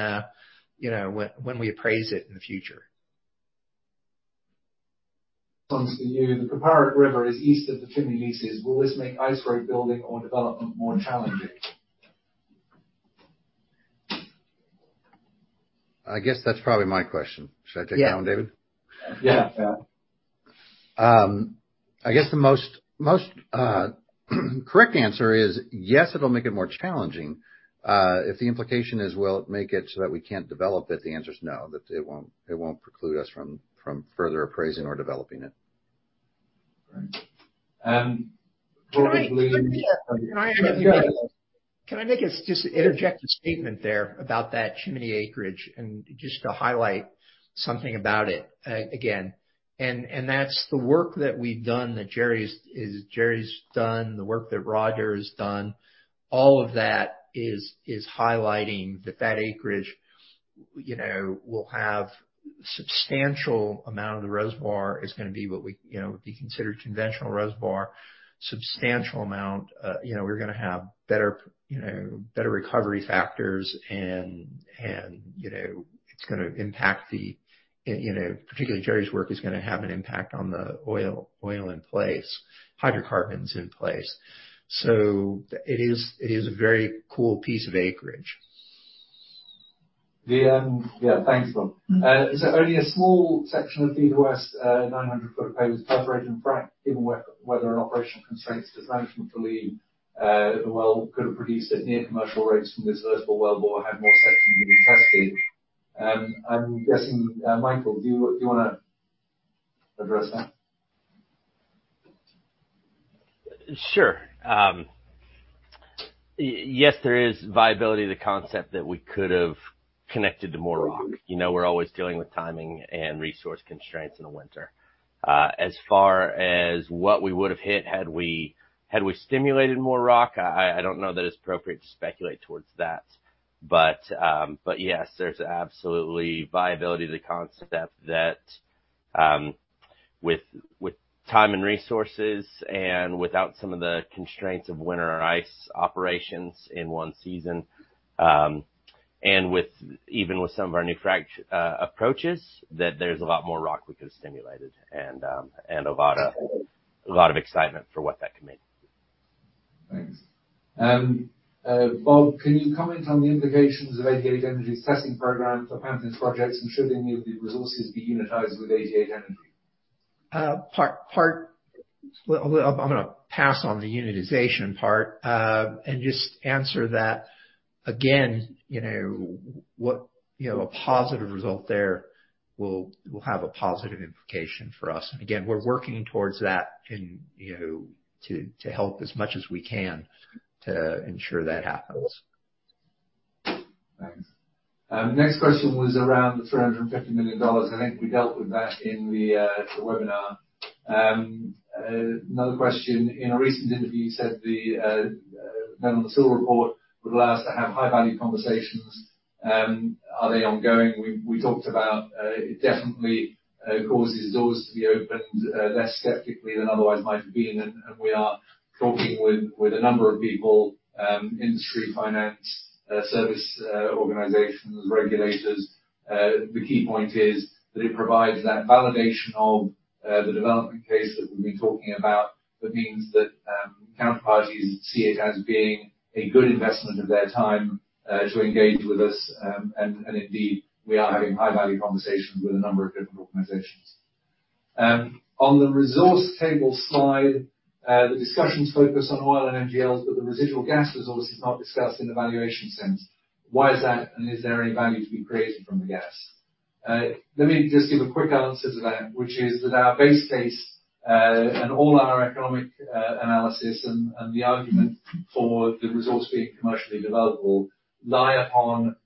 you know, when we appraise it in the future. This one's for you. The Kuparuk River is east of the chimney leases. Will this make ice road building or development more challenging? I guess that's probably my question. Should I take that one, David? Yeah. I guess the most correct answer is yes, it'll make it more challenging. If the implication is, will it make it so that we can't develop it, the answer is no, that it won't preclude us from further appraising or developing it. All right. What we believe. Can I make a... Yes. Can I just interject a statement there about that Chimney acreage, and just to highlight something about it, again. That's the work that we've done, that Jerry's done, the work that Roger has done, all of that is highlighting that acreage, you know, will have substantial amount of the reservoir is gonna be what we, you know, would be considered conventional reservoir, substantial amount. You know, we're gonna have better recovery factors and, you know, it's gonna impact, you know, particularly Jerry's work is gonna have an impact on the oil in place, hydrocarbons in place. It is a very cool piece of acreage. Yeah, thanks, Bob. Is there only a small section of the west 900 ft pay that was perforated and fracked, given the operational constraints? Does management believe the well could have produced at near commercial rates from this vertical well bore had more sections been tested? I'm guessing, Michael, do you wanna address that? Sure. Yes, there is viability of the concept that we could have connected to more rock. You know, we're always dealing with timing and resource constraints in the winter. As far as what we would have hit had we stimulated more rock, I don't know that it's appropriate to speculate towards that. Yes, there's absolutely viability to the concept that with time and resources and without some of the constraints of winter or ice operations in one season, and with even some of our new approaches, that there's a lot more rock we could have stimulated and a lot of excitement for what that could mean. Thanks. Bob, can you comment on the implications of 88 Energy's testing program for Pantheon's projects, and should any of the resources be unitized with 88 Energy? Well, I'm gonna pass on the unitization part and just answer that again, you know, a positive result there will have a positive implication for us. Again, we're working towards that and, you know, to help as much as we can to ensure that happens. Thanks. Next question was around the $350 million. I think we dealt with that in the webinar. Another question, in a recent interview, you said the Netherland, Sewell report would allow us to have high-value conversations. Are they ongoing? We talked about it definitely causes doors to be opened less skeptically than otherwise might have been. We are talking with a number of people, industry, finance, service organizations, regulators. The key point is that it provides that validation of the development case that we've been talking about. That means that counterparties see it as being a good investment of their time to engage with us. Indeed, we are having high-value conversations with a number of different organizations. On the resource table slide, the discussions focus on oil and NGLs, but the residual gas resource is not discussed in the valuation sense. Why is that, and is there any value to be created from the gas? Let me just give a quick answer to that, which is that our base case and all our economic analysis and the argument for the resource being commercially developable lie upon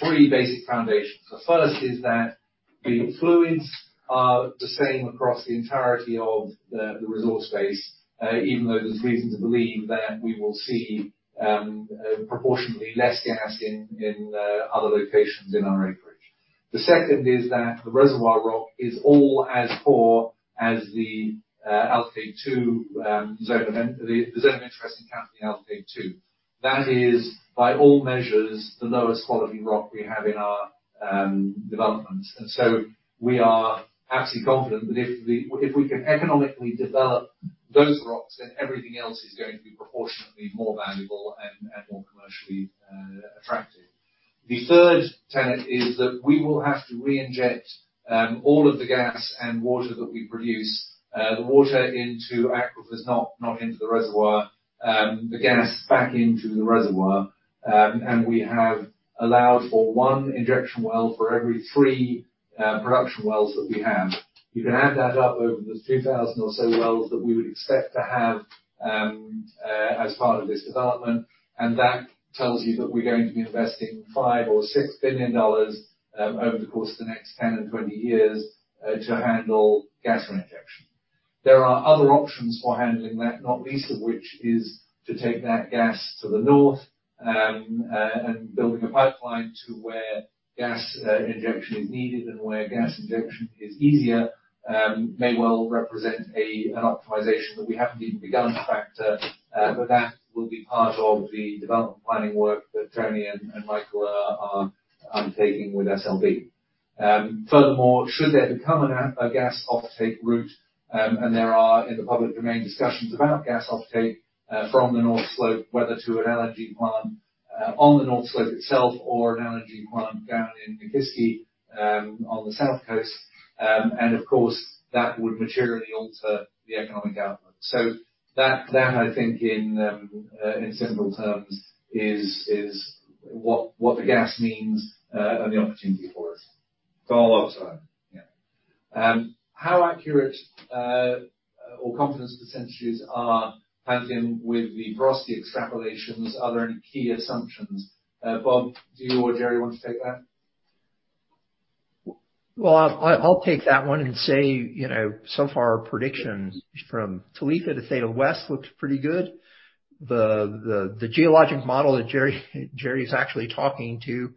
three basic foundations. The first is that the fluids are the same across the entirety of the resource base, even though there's reason to believe that we will see proportionately less gas in other locations in our acreage. The second is that the reservoir rock is all as poor as the zone of interest in the Alkaid-2. That is, by all measures, the lowest quality rock we have in our development. We are absolutely confident that if we can economically develop those rocks, then everything else is going to be proportionately more valuable and more commercially attractive. The third tenet is that we will have to reinject all of the gas and water that we produce, the water into aquifers, not into the reservoir, the gas back into the reservoir. We have allowed for one injection well for every three production wells that we have. You can add that up over the 2,000 or so wells that we would expect to have as part of this development, and that tells you that we're going to be investing $5 billion-$6 billion over the course of the next 10 and 20 years to handle gas reinjection. There are other options for handling that, not least of which is to take that gas to the north, and building a pipeline to where gas injection is needed and where gas injection is easier, may well represent an optimization that we haven't even begun to factor. That will be part of the development planning work that Tony and Michael are undertaking with SLB. Furthermore, should there become a gas offtake route, and there are in the public domain discussions about gas offtake from the North Slope, whether to an LNG plant on the North Slope itself or an energy offtake down in Nikiski on the south coast. Of course, that would materially alter the economic outlook. That I think in simple terms is what the gas means and the opportunity for us. I'll answer that. Yeah. How accurate or confidence percentages are handling with the porosity extrapolations? Are there any key assumptions? Bob, do you or Jerry want to take that? Well, I'll take that one and say, you know, so far predictions from Talitha to Theta West looks pretty good. The geologic model that Jerry is actually talking to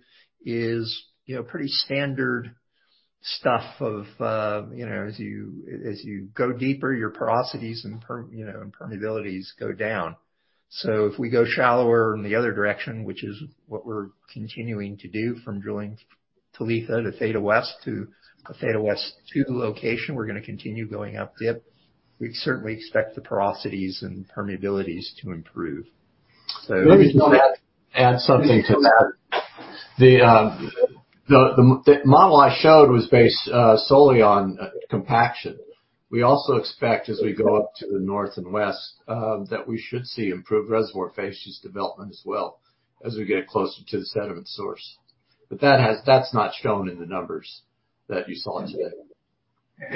is, you know, pretty standard stuff of, you know, as you go deeper, your porosities and permeabilities go down. If we go shallower in the other direction, which is what we're continuing to do from drilling Talitha to Theta West to a Theta West two location, we're gonna continue going up dip. We'd certainly expect the porosities and permeabilities to improve. Let me just add something to that. The model I showed was based solely on compaction. We also expect as we go up to the north and west that we should see improved reservoir facies development as well as we get closer to the sediment source. That's not shown in the numbers that you saw today.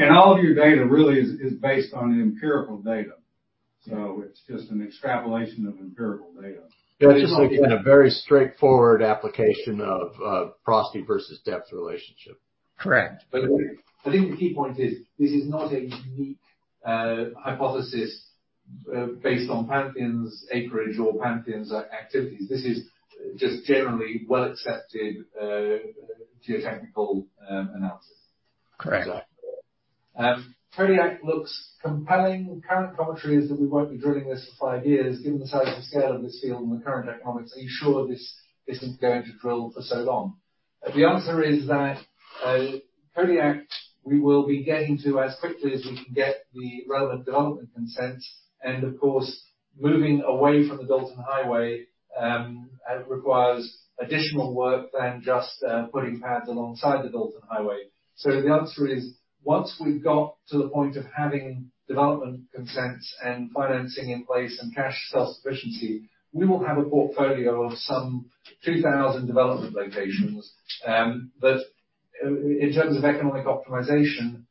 All of your data really is based on empirical data. It's just an extrapolation of empirical data. Yeah. It's just, again, a very straightforward application of porosity versus depth relationship. Correct. I think the key point is this is not a unique hypothesis based on Pantheon's acreage or Pantheon's activities. This is just generally well-accepted geotechnical analysis. Correct. Kodiak looks compelling. Current commentary is that we won't be drilling this for five years. Given the size and scale of this field and the current economics, are you sure this isn't going to drill for so long? The answer is that, Kodiak, we will be getting to as quickly as we can get the relevant development consent. Of course, moving away from the Dalton Highway, requires additional work than just, putting pads alongside the Dalton Highway. The answer is, once we've got to the point of having development consents and financing in place and cash self-sufficiency, we will have a portfolio of some 2,000 development locations. But in terms of economic optimization,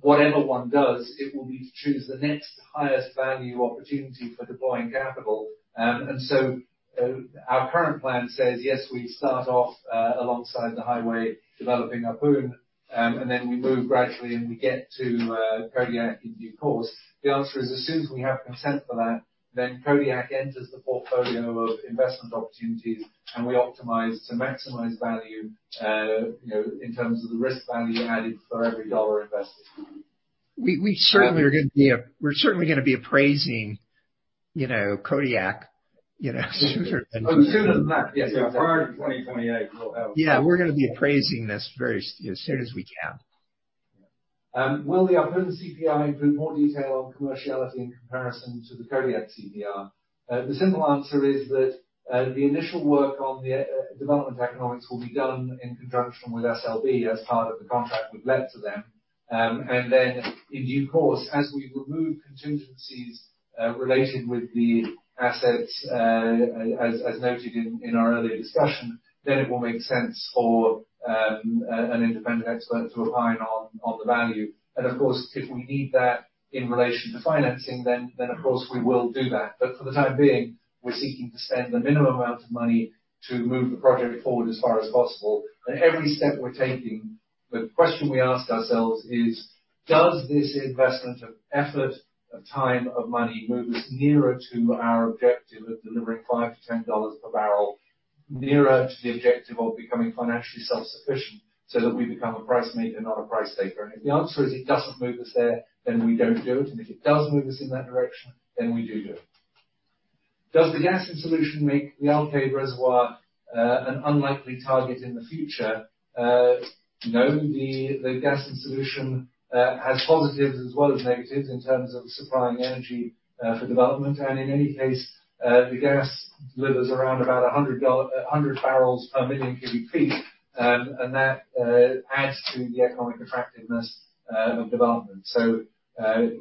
whatever one does, it will be to choose the next highest value opportunity for deploying capital. Our current plan says, yes, we start off alongside the highway, developing our boom, and then we move gradually, and we get to Kodiak in due course. The answer is, as soon as we have consent for that, then Kodiak enters the portfolio of investment opportunities, and we optimize to maximize value in terms of the risk value added for every dollar invested. We're certainly gonna be appraising, you know, Kodiak, you know, sooner than. Sooner than that. Yes. Yeah. Prior to 2028. Yeah. We're gonna be appraising this very soon as soon as we can. Will the updated CPR include more detail on commerciality in comparison to the Kodiak CPR? The simple answer is that the initial work on the development economics will be done in conjunction with SLB as part of the contract we've let to them. In due course, as we remove contingencies related with the assets, as noted in our earlier discussion, then it will make sense for an independent expert to opine on the value. Of course, if we need that in relation to financing, then of course we will do that. For the time being, we're seeking to spend the minimum amount of money to move the project forward as far as possible. At every step we're taking, the question we ask ourselves is, does this investment of effort, of time, of money move us nearer to our objective of delivering $5-$10 per bbl, nearer to the objective of becoming financially self-sufficient so that we become a price maker, not a price taker? If the answer is it doesn't move us there, then we don't do it. If it does move us in that direction, then we do it. Does the gas in solution make the Alkaid reservoir an unlikely target in the future? No. The gas in solution has positives as well as negatives in terms of supplying energy for development. In any case, the gas delivers around about 100 bbl per million cu ft. That adds to the economic attractiveness of development.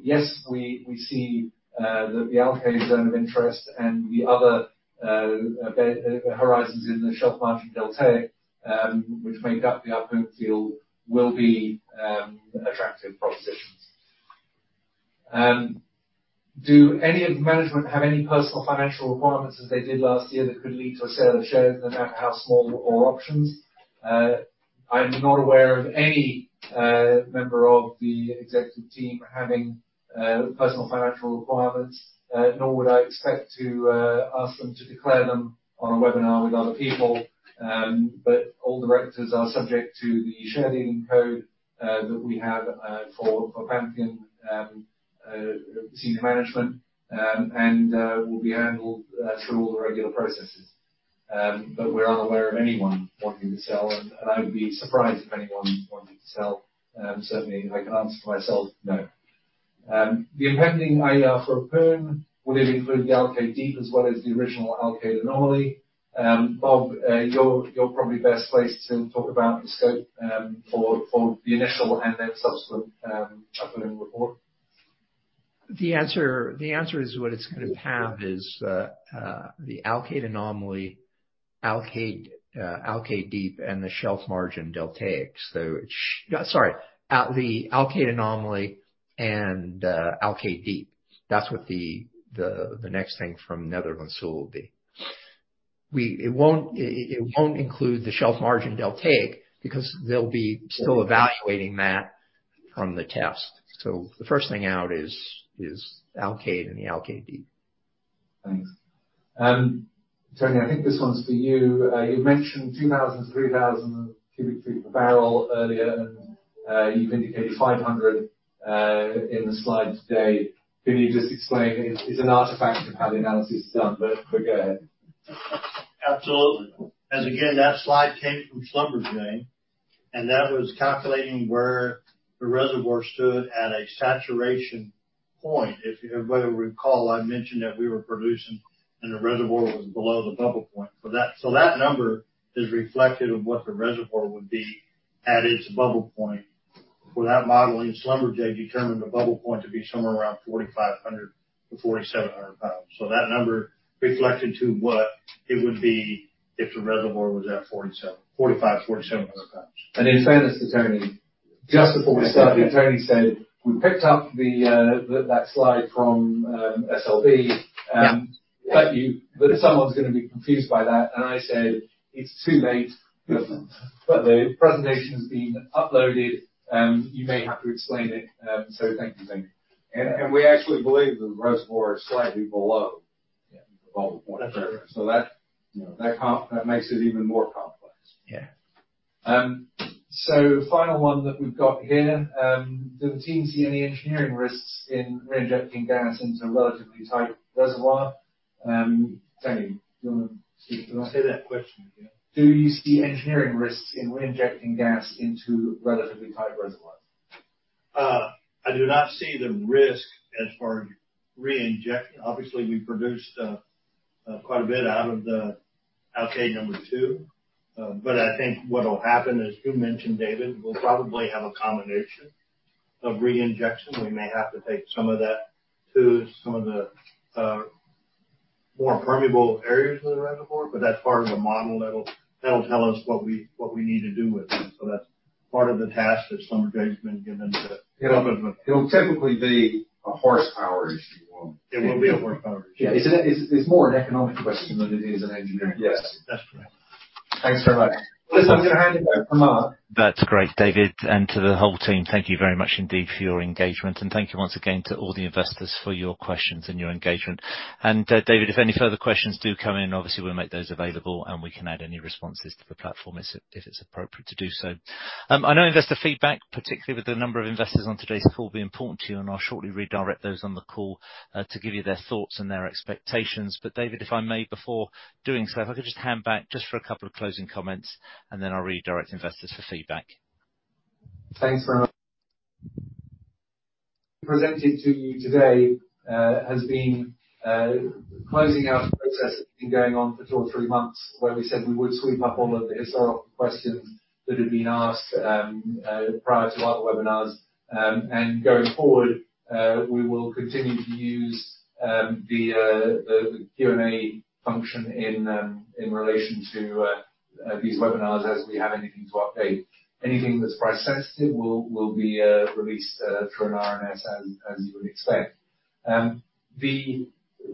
Yes, we see that the Alkaid zone of interest and the other horizons in the Shelf Margin Deltaic, which make up the Alkaid field, will be attractive propositions. Do any of management have any personal financial requirements as they did last year that could lead to a sale of shares, no matter how small, or options? I'm not aware of any member of the executive team having personal financial requirements, nor would I expect to ask them to declare them on a webinar with other people. All directors are subject to the share code that we have for Pantheon senior management and will be handled through all the regular processes. We're unaware of anyone wanting to sell, and I would be surprised if anyone wanted to sell. Certainly I can answer for myself, no. The impending CPR for Alkaid, will it include the Alkaid Deep as well as the original Alkaid anomaly? Bob, you're probably best placed to talk about the scope, for the initial and then subsequent updating report. The answer is what it's gonna have is the Alkaid anomaly, Alkaid Deep and the Shelf Margin Deltaic. Sorry, at the Alkaid anomaly and Alkaid Deep. That's what the next thing from Netherland Sewell will be. It won't include the Shelf Margin Deltaic because they'll be still evaluating that from the test. The first thing out is Alkaid and the Alkaid Deep. Thanks. Tony, I think this one's for you. You mentioned 2,000, 3,000 cu ft per bbl earlier, and you've indicated 500 in the slide today. Can you just explain? It's an artifact of how the analysis is done, but go ahead. Absolutely. As again, that slide came from Schlumberger, and that was calculating where the reservoir stood at a saturation point. If you, everybody will recall, I mentioned that we were producing and the reservoir was below the bubble point. For that, so that number is reflective of what the reservoir would be at its bubble point. For that modeling, Schlumberger determined the bubble point to be somewhere around 4,500-4,700 lbs. That number reflected to what it would be if the reservoir was at 4,700, 4,500, 4,700 lbs. In fairness to Tony, just before we started, Tony said, "We picked up the that slide from SLB." Yeah. If someone's gonna be confused by that, and I said, "It's too late." The presentation has been uploaded. You may have to explain it, so thank you, Tony. We actually believe the reservoir is slightly below- Yeah.... the bubble point. Whatever. That, you know, that makes it even more complex. Yeah. Final one that we've got here. Do the team see any engineering risks in re-injecting gas into a relatively tight reservoir? Tony, do you wanna speak to that? Can you say that question again? Do you see engineering risks in re-injecting gas into relatively tight reservoirs? I do not see the risk as far as re-inject. Obviously, we produced quite a bit out of the Alkaid #2. I think what will happen, as you mentioned, David, we'll probably have a combination of re-injection. We may have to take some of that to some of the more permeable areas of the reservoir, but that's part of the model that'll tell us what we need to do with it. That's part of the task that Schlumberger has been given to. It'll typically be a horsepower issue. It will be a horsepower issue. Yeah. It's more an economic question than it is an engineering question. Yes, that's correct. Thanks very much. Listen, I'm gonna hand you back to closing remarks. That's great, David, and to the whole team, thank you very much indeed for your engagement. Thank you once again to all the investors for your questions and your engagement. David, if any further questions do come in, obviously, we'll make those available, and we can add any responses to the platform if it's appropriate to do so. I know investor feedback, particularly with the number of investors on today's call, will be important to you, and I'll shortly redirect those on the call to give you their thoughts and their expectations. David, if I may, before doing so, if I could just hand back just for a couple of closing comments, and then I'll redirect investors for feedback. Thanks very much. What has been presented to you today has been closing out a process that's been going on for two or three months, where we said we would sweep up all of the historic questions that had been asked prior to other webinars. Going forward, we will continue to use the Q&A function in relation to these webinars as we have anything to update. Anything that's price sensitive will be released through an RNS as you would expect. The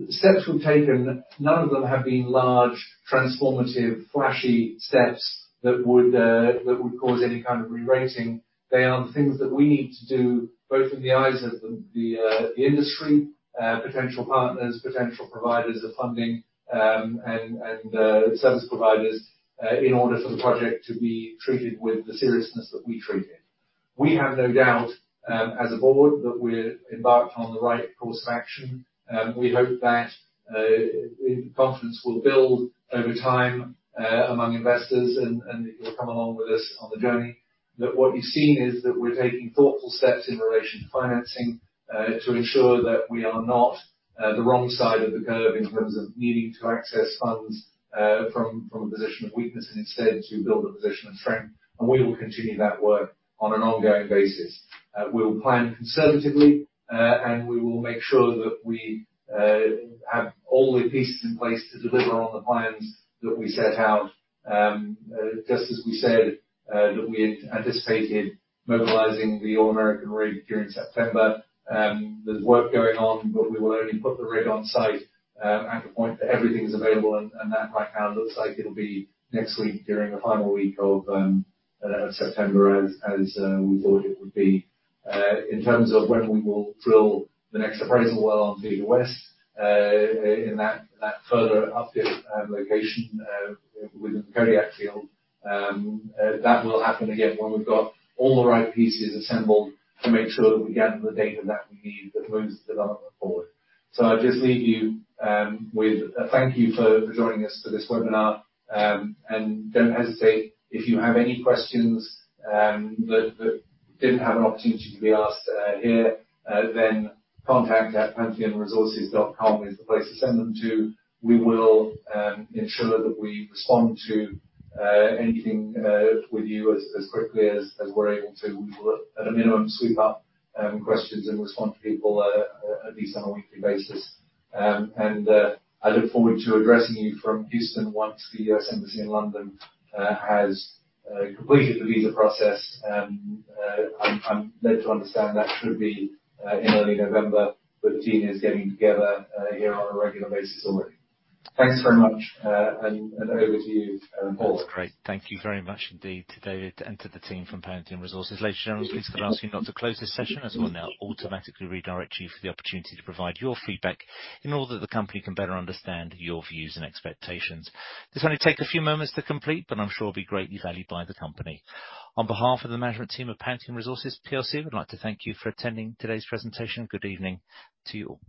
steps we've taken, none of them have been large, transformative, flashy steps that would cause any kind of rerating. They are the things that we need to do, both in the eyes of the industry, potential partners, potential providers of funding, and service providers, in order for the project to be treated with the seriousness that we treat it. We have no doubt, as a board, that we're embarked on the right course of action. We hope that confidence will build over time among investors and that you'll come along with us on the journey. That what you've seen is that we're taking thoughtful steps in relation to financing to ensure that we are not the wrong side of the curve in terms of needing to access funds from a position of weakness, and instead, to build a position of strength. We will continue that work on an ongoing basis. We will plan conservatively, and we will make sure that we have all the pieces in place to deliver on the plans that we set out. Just as we said, that we had anticipated mobilizing the All American rig during September. There's work going on, but we will only put the rig on site at the point that everything is available, and that right now looks like it'll be next week during the final week of September as we thought it would be. In terms of when we will drill the next appraisal well on Theta West, in that further up-dip location within the Kodiak field, that will happen again when we've got all the right pieces assembled to make sure that we gather the data that we need that moves the development forward. I'll just leave you with a thank you for joining us for this webinar. Don't hesitate if you have any questions that didn't have an opportunity to be asked here, then contact@pantheonresources.com is the place to send them to. We will ensure that we respond to anything with you as quickly as we're able to. We will, at a minimum, sweep up questions and respond to people at least on a weekly basis. I look forward to addressing you from Houston once the U.S. Embassy in London has completed the visa process. I'm led to understand that should be in early November. The team is getting together here on a regular basis already. Thanks very much, and over to you, Paul. That's great. Thank you very much indeed to David and to the team from Pantheon Resources. Ladies and gentlemen, please could I ask you now to close this session as we'll now automatically redirect you for the opportunity to provide your feedback in order that the company can better understand your views and expectations. This only takes a few moments to complete, but I'm sure it'll be greatly valued by the company. On behalf of the management team of Pantheon Resources Plc, we'd like to thank you for attending today's presentation. Good evening to you all.